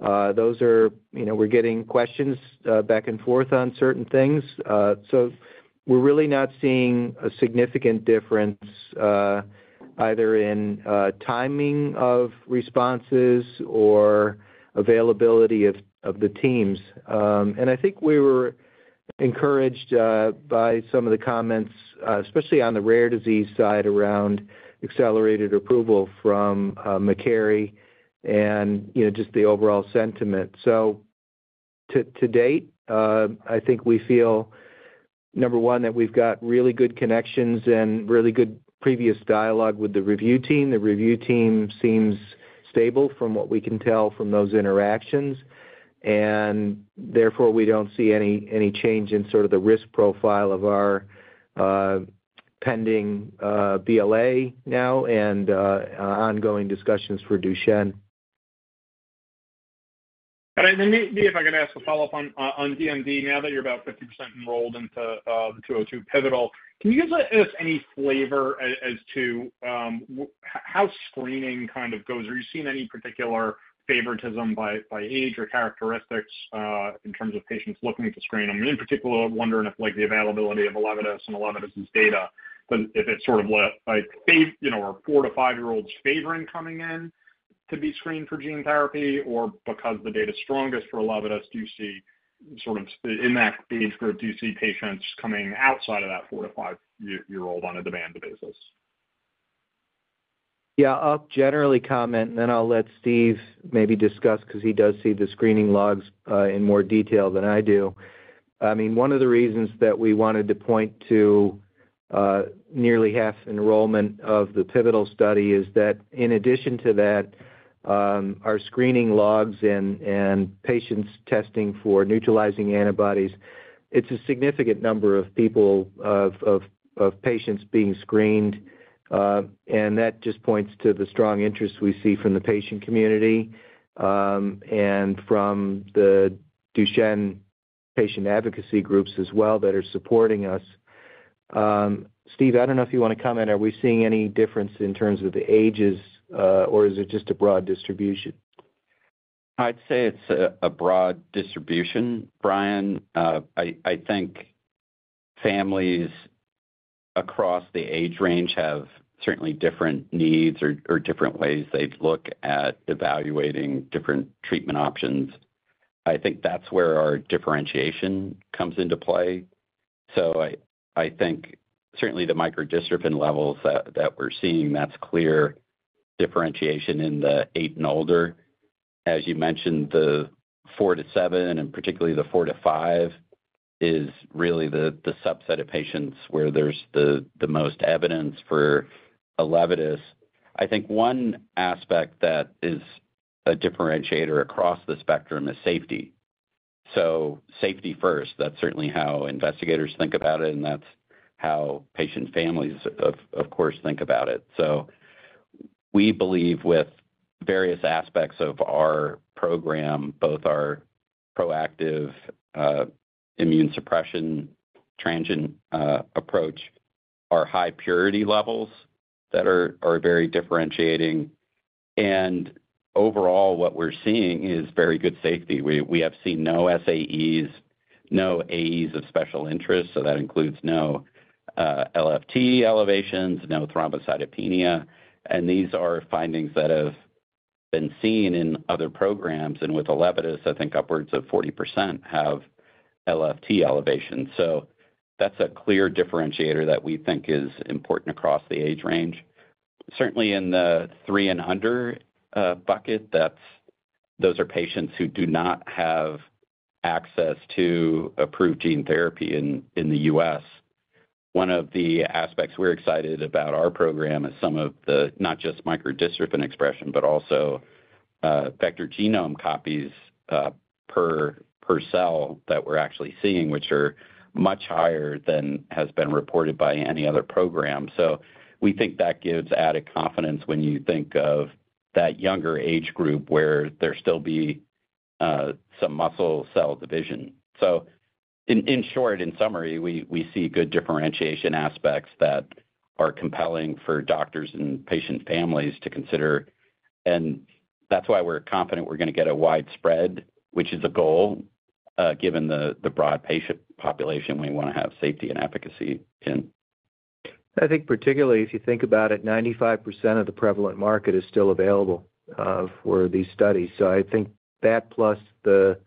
We're getting questions back and forth on certain things. We're really not seeing a significant difference either in timing of responses or availability of the teams. I think we were encouraged by some of the comments, especially on the rare disease side around accelerated approval from McCarry and just the overall sentiment. To date, I think we feel, number one, that we've got really good connections and really good previous dialogue with the review team. The review team seems stable from what we can tell from those interactions. Therefore, we don't see any change in sort of the risk profile of our pending BLA now and ongoing discussions for Duchenne. Maybe if I can ask a follow-up on DMD, now that you're about 50% enrolled into the 202 pivotal, can you give us any flavor as to how screening kind of goes? Are you seeing any particular favoritism by age or characteristics in terms of patients looking to screen them? In particular, wondering if the availability of ELEVIDYS and ELEVIDYS' data, if it's sort of like four to five-year-olds favoring coming in to be screened for gene therapy, or because the data is strongest for 11S, do you see sort of in that age group, do you see patients coming outside of that four to five-year-old on a demand basis? Yeah, I'll generally comment, and then I'll let Steve maybe discuss because he does see the screening logs in more detail than I do. I mean, one of the reasons that we wanted to point to nearly half enrollment of the pivotal study is that in addition to that, our screening logs and patients testing for neutralizing antibodies, it's a significant number of people, of patients being screened. That just points to the strong interest we see from the patient community and from the Duchenne patient advocacy groups as well that are supporting us. Steve, I don't know if you want to comment. Are we seeing any difference in terms of the ages, or is it just a broad distribution? I'd say it's a broad distribution, Brian. I think families across the age range have certainly different needs or different ways they look at evaluating different treatment options. I think that's where our differentiation comes into play. I think certainly the microdystrophin levels that we're seeing, that's clear differentiation in the eight and older. As you mentioned, the four to seven, and particularly the four to five, is really the subset of patients where there's the most evidence for 11S. I think one aspect that is a differentiator across the spectrum is safety. Safety first, that's certainly how investigators think about it, and that's how patient families, of course, think about it. We believe with various aspects of our program, both our proactive immune suppression transient approach, our high purity levels that are very differentiating. Overall, what we're seeing is very good safety. We have seen no SAEs, no AEs of special interest. That includes no LFT elevations, no thrombocytopenia. These are findings that have been seen in other programs. With ELEVIDYS, I think upwards of 40% have LFT elevations. That is a clear differentiator that we think is important across the age range. Certainly in the three and under bucket, those are patients who do not have access to approved gene therapy in the U.S. One of the aspects we are excited about in our program is some of the not just microdystrophin expression, but also vector genome copies per cell that we are actually seeing, which are much higher than has been reported by any other program. We think that gives added confidence when you think of that younger age group where there still may be some muscle cell division. In short, in summary, we see good differentiation aspects that are compelling for doctors and patient families to consider. That is why we're confident we're going to get a widespread, which is a goal given the broad patient population we want to have safety and efficacy in. I think particularly if you think about it, 95% of the prevalent market is still available for these studies. I think that plus the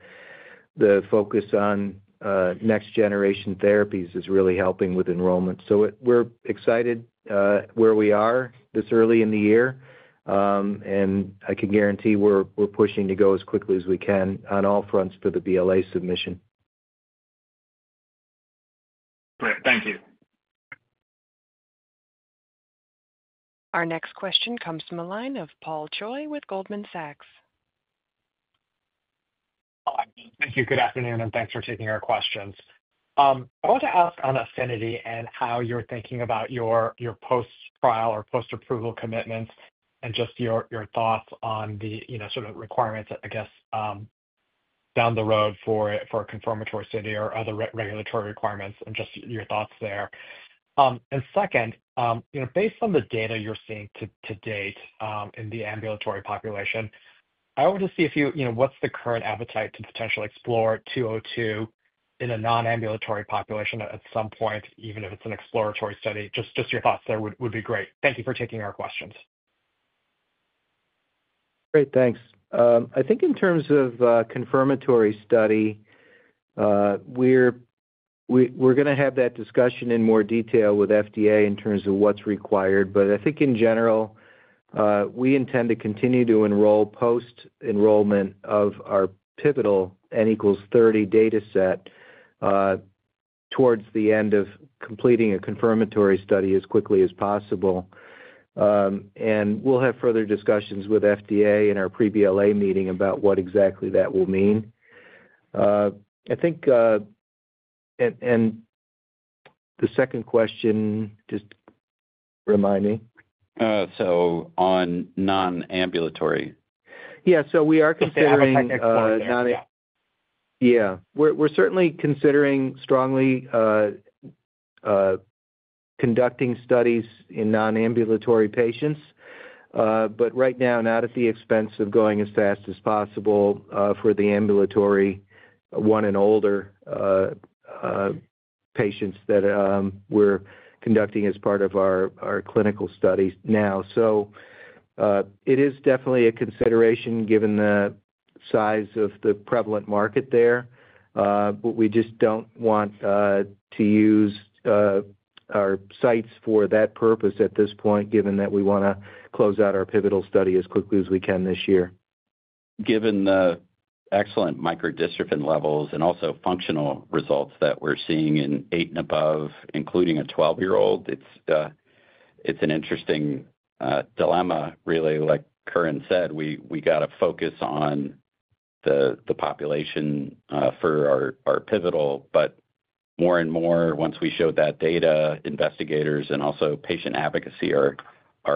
focus on next-generation therapies is really helping with enrollment. We are excited where we are this early in the year. I can guarantee we are pushing to go as quickly as we can on all fronts for the BLA submission. Great. Thank you. Our next question comes from a line of Paul Choi with Goldman Sachs. Thank you. Good afternoon, and thanks for taking our questions. I want to ask on AFFINITY and how you're thinking about your post-trial or post-approval commitments and just your thoughts on the sort of requirements, I guess, down the road for a confirmatory study or other regulatory requirements and just your thoughts there. Second, based on the data you're seeing to date in the ambulatory population, I wanted to see if you, what's the current appetite to potentially explore 202 in a non-ambulatory population at some point, even if it's an exploratory study. Just your thoughts there would be great. Thank you for taking our questions. Great. Thanks. I think in terms of confirmatory study, we're going to have that discussion in more detail with FDA in terms of what's required. I think in general, we intend to continue to enroll post-enrollment of our pivotal N equals 30 dataset towards the end of completing a confirmatory study as quickly as possible. We'll have further discussions with FDA in our pre-BLA meeting about what exactly that will mean. I think the second question, just remind me. On non-ambulatory? Yeah. We are considering. Non-amplification? Yeah. We're certainly considering strongly conducting studies in non-ambulatory patients. Right now, not at the expense of going as fast as possible for the ambulatory one and older patients that we're conducting as part of our clinical studies now. It is definitely a consideration given the size of the prevalent market there. We just don't want to use our sites for that purpose at this point, given that we want to close out our pivotal study as quickly as we can this year. Given the excellent microdystrophin levels and also functional results that we're seeing in eight and above, including a 12-year-old, it's an interesting dilemma, really. Like Curran said, we got to focus on the population for our pivotal. More and more, once we show that data, investigators and also patient advocacy are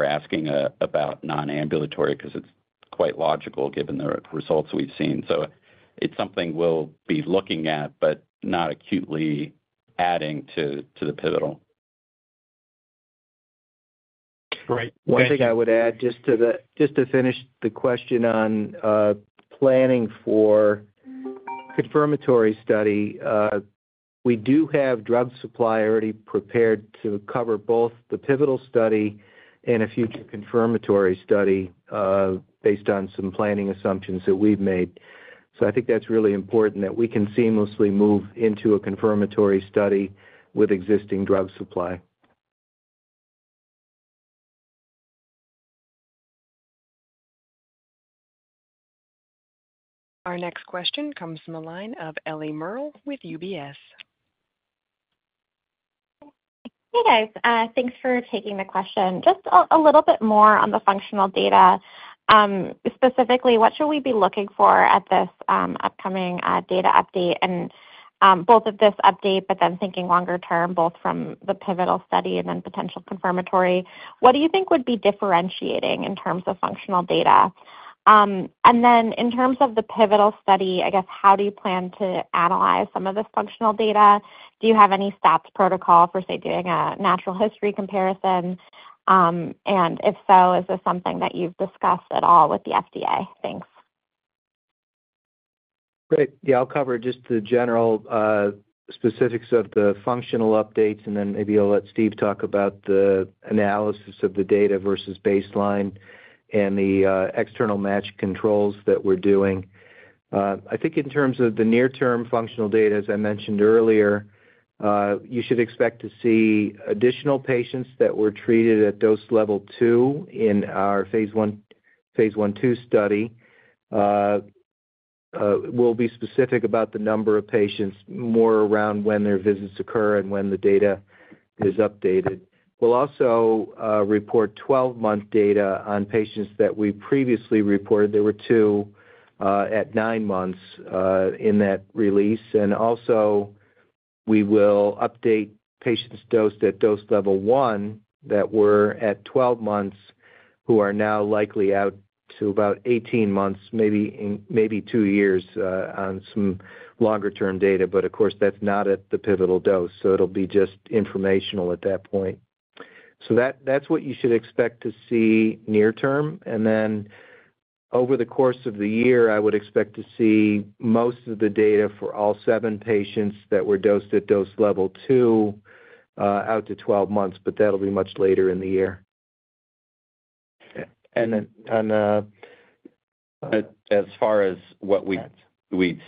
asking about non-ambulatory because it's quite logical given the results we've seen. It is something we'll be looking at, but not acutely adding to the pivotal. One thing I would add just to finish the question on planning for confirmatory study, we do have drug supply already prepared to cover both the pivotal study and a future confirmatory study based on some planning assumptions that we've made. I think that's really important that we can seamlessly move into a confirmatory study with existing drug supply. Our next question comes from a line of Ellie Merle with UBS. Hey, guys. Thanks for taking the question. Just a little bit more on the functional data. Specifically, what should we be looking for at this upcoming data update and both of this update, but then thinking longer term, both from the pivotal study and then potential confirmatory? What do you think would be differentiating in terms of functional data? In terms of the pivotal study, I guess, how do you plan to analyze some of this functional data? Do you have any stats protocol for, say, doing a natural history comparison? If so, is this something that you've discussed at all with the FDA? Thanks. Great. Yeah, I'll cover just the general specifics of the functional updates, and then maybe I'll let Steve talk about the analysis of the data versus baseline and the external match controls that we're doing. I think in terms of the near-term functional data, as I mentioned earlier, you should expect to see additional patients that were treated at dose level two in our phase I/II study. We'll be specific about the number of patients more around when their visits occur and when the data is updated. We'll also report 12-month data on patients that we previously reported. There were two at nine months in that release. Also, we will update patients dosed at dose level one that were at 12 months who are now likely out to about 18 months, maybe two years on some longer-term data. Of course, that's not at the pivotal dose. It'll be just informational at that point. That's what you should expect to see near-term. Over the course of the year, I would expect to see most of the data for all seven patients that were dosed at dose level two out to 12 months, but that'll be much later in the year. As far as what we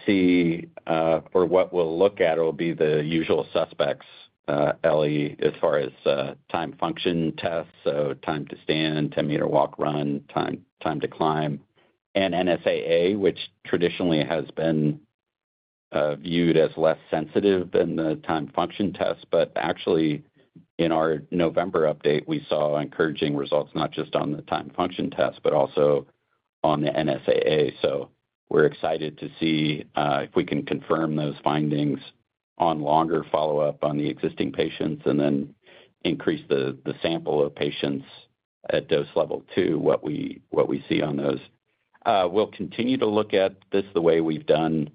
see or what we'll look at, it'll be the usual suspects, Ellie, as far as time function tests, so time to stand, 10 m walk, run, time to climb, and NSAA, which traditionally has been viewed as less sensitive than the time function test. Actually, in our November update, we saw encouraging results not just on the time function test, but also on the NSAA. We are excited to see if we can confirm those findings on longer follow-up on the existing patients and then increase the sample of patients at dose level two, what we see on those. We will continue to look at this the way we've done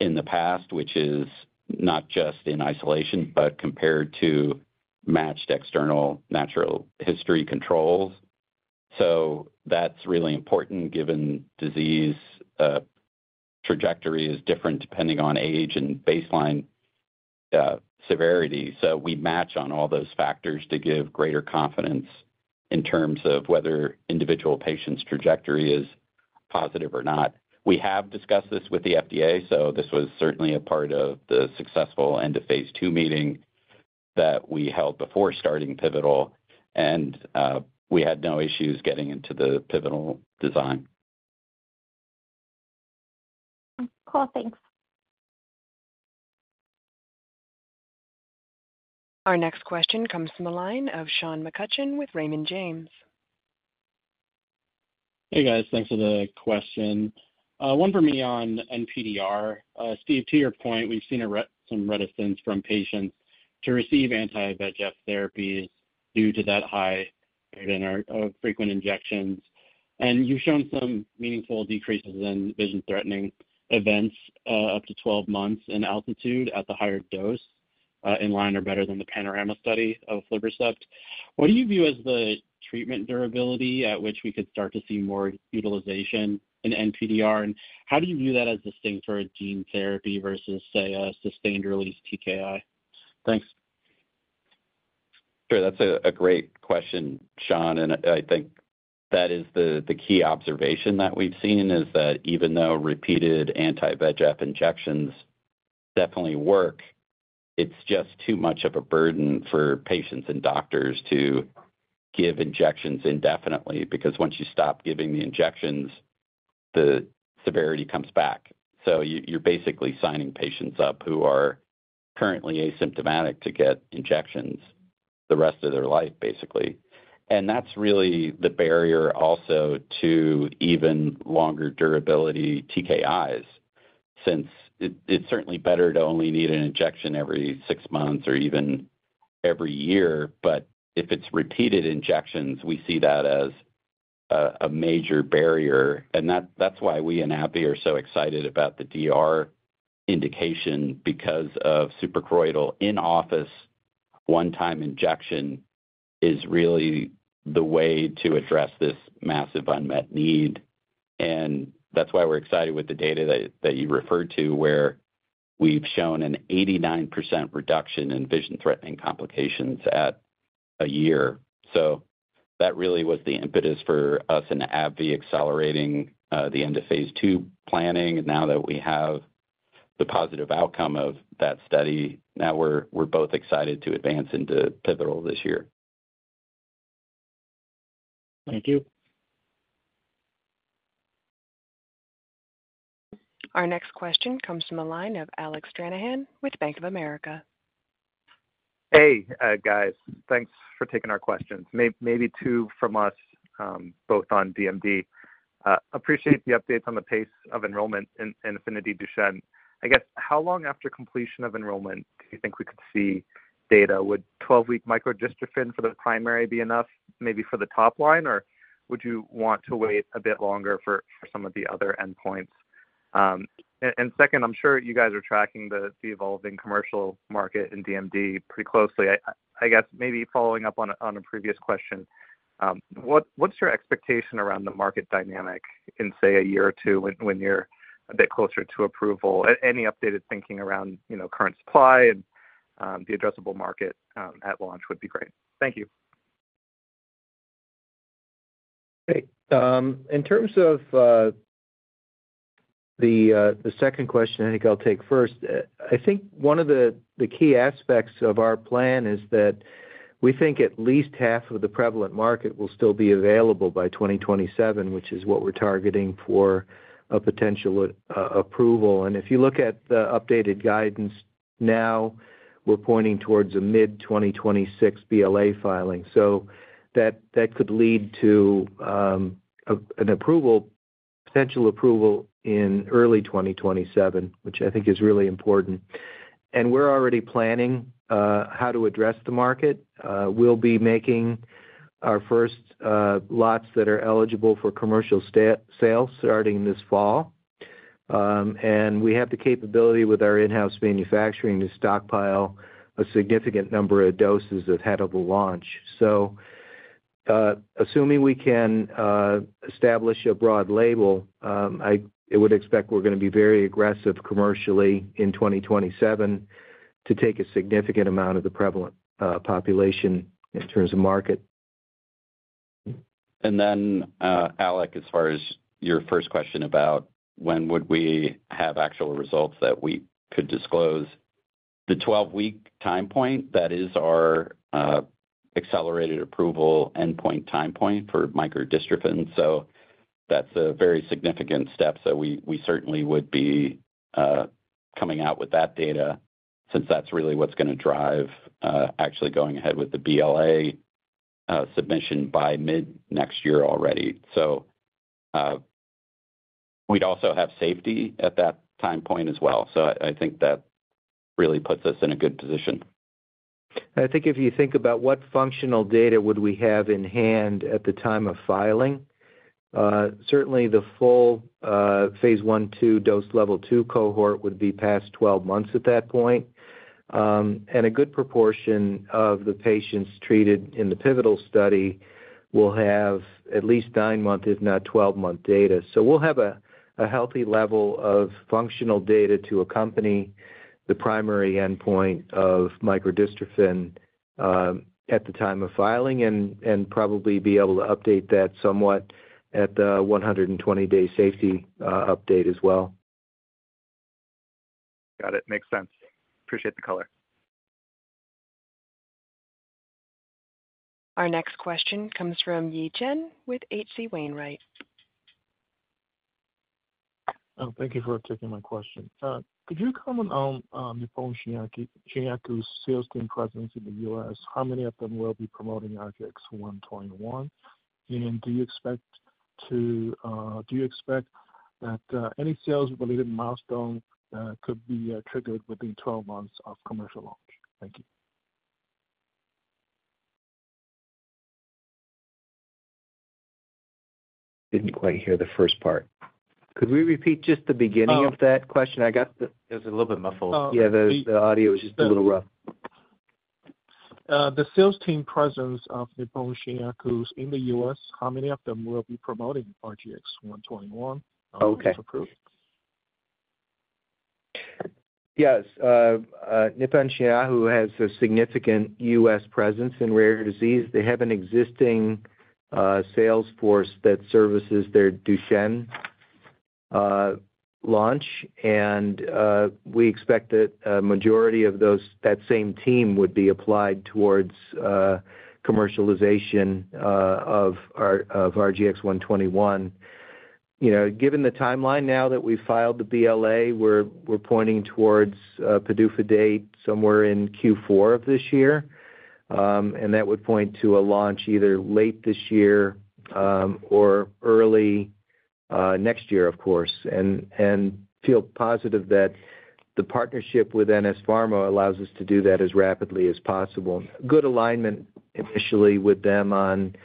in the past, which is not just in isolation, but compared to matched external natural history controls. That is really important given disease trajectory is different depending on age and baseline severity. We match on all those factors to give greater confidence in terms of whether individual patients' trajectory is positive or not. We have discussed this with the FDA. This was certainly a part of the successful end of phase II meeting that we held before starting pivotal. We had no issues getting into the pivotal design. Cool. Thanks. Our next question comes from a line of Sean McCutcheon with Raymond James. Hey, guys. Thanks for the question. One for me on NPDR. Steve, to your point, we've seen some reticence from patients to receive anti-VEGF therapies due to that high burden of frequent injections. You've shown some meaningful decreases in vision-threatening events up to 12 months in ALTITUDE at the higher dose in line or better than the PANORAMA study of aflibercept. What do you view as the treatment durability at which we could start to see more utilization in NPDR? How do you view that as distinct for a gene therapy versus, say, a sustained-release TKI? Thanks. Sure. That's a great question, Sean. I think that is the key observation that we've seen is that even though repeated anti-VEGF injections definitely work, it's just too much of a burden for patients and doctors to give injections indefinitely because once you stop giving the injections, the severity comes back. You're basically signing patients up who are currently asymptomatic to get injections the rest of their life, basically. That's really the barrier also to even longer durability TKIs since it's certainly better to only need an injection every six months or even every year. If it's repeated injections, we see that as a major barrier. That's why we in AbbVie are so excited about the DR indication because a suprachoroidal in-office one-time injection is really the way to address this massive unmet need. That is why we're excited with the data that you referred to where we've shown an 89% reduction in vision-threatening complications at a year. That really was the impetus for us and AbbVie accelerating the end of phase II planning. Now that we have the positive outcome of that study, we're both excited to advance into pivotal this year. Thank you. Our next question comes from a line of Alec Stranahan with Bank of America. Hey, guys. Thanks for taking our questions. Maybe two from us, both on DMD. Appreciate the updates on the pace of enrollment in AFFINITY Duchenne. I guess how long after completion of enrollment do you think we could see data? Would 12-week micro-dystrophin for the primary be enough maybe for the top line, or would you want to wait a bit longer for some of the other endpoints? Second, I'm sure you guys are tracking the evolving commercial market in DMD pretty closely. I guess maybe following up on a previous question, what's your expectation around the market dynamic in, say, a year or two when you're a bit closer to approval? Any updated thinking around current supply and the addressable market at launch would be great. Thank you. Great. In terms of the second question, I think I'll take first. I think one of the key aspects of our plan is that we think at least half of the prevalent market will still be available by 2027, which is what we're targeting for a potential approval. If you look at the updated guidance now, we're pointing towards a mid-2026 BLA filing. That could lead to a potential approval in early 2027, which I think is really important. We're already planning how to address the market. We'll be making our first lots that are eligible for commercial sales starting this fall. We have the capability with our in-house manufacturing to stockpile a significant number of doses ahead of the launch. Assuming we can establish a broad label, I would expect we're going to be very aggressive commercially in 2027 to take a significant amount of the prevalent population in terms of market. Alec, as far as your first question about when would we have actual results that we could disclose, the 12-week time point, that is our accelerated approval endpoint time point for micro-dystrophin. That is a very significant step. We certainly would be coming out with that data since that is really what is going to drive actually going ahead with the BLA submission by mid next year already. We would also have safety at that time point as well. I think that really puts us in a good position. I think if you think about what functional data would we have in hand at the time of filing, certainly the full phase I/II dose level two cohort would be past 12 months at that point. A good proportion of the patients treated in the pivotal study will have at least nine month, if not 12-month data. We will have a healthy level of functional data to accompany the primary endpoint of micro-dystrophin at the time of filing and probably be able to update that somewhat at the 120-day safety update as well. Got it. Makes sense. Appreciate the color. Our next question comes from Yi Chen with H.C. Wainwright. Thank you for taking my question. Could you comment on Nippon Shinyaku's sales team presence in the U.S.? How many of them will be promoting RGX-121? Do you expect that any sales-related milestone could be triggered within 12 months of commercial launch? Thank you. Didn't quite hear the first part. Could we repeat just the beginning of that question? I got it was a little bit muffled. Yeah, the audio was just a little rough. The sales team presence of Nippon Shinyaku's in the U.S., how many of them will be promoting RGX-121 once it's approved? Yes. Nippon Shinyaku has a significant U.S. presence in rare disease. They have an existing sales force that services their Duchenne launch. We expect that majority of that same team would be applied towards commercialization of RGX-121. Given the timeline now that we filed the BLA, we're pointing towards PDUFA date somewhere in Q4 of this year. That would point to a launch either late this year or early next year, of course, and feel positive that the partnership with NS Pharma allows us to do that as rapidly as possible. Good alignment initially with them on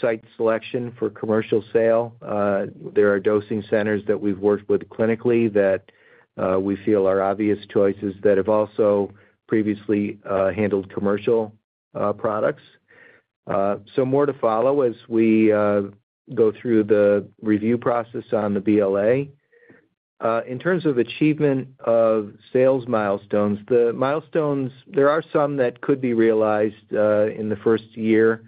site selection for commercial sale. There are dosing centers that we've worked with clinically that we feel are obvious choices that have also previously handled commercial products. More to follow as we go through the review process on the BLA. In terms of achievement of sales milestones, there are some that could be realized in the first year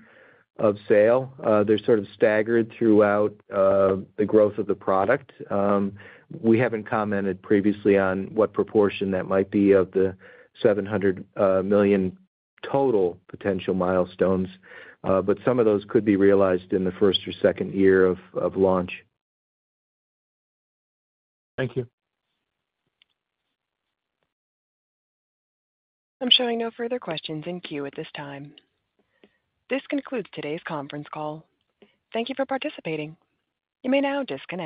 of sale. They're sort of staggered throughout the growth of the product. We haven't commented previously on what proportion that might be of the $700 million total potential milestones, but some of those could be realized in the first or second year of launch. Thank you. I'm showing no further questions in queue at this time. This concludes today's conference call. Thank you for participating. You may now disconnect.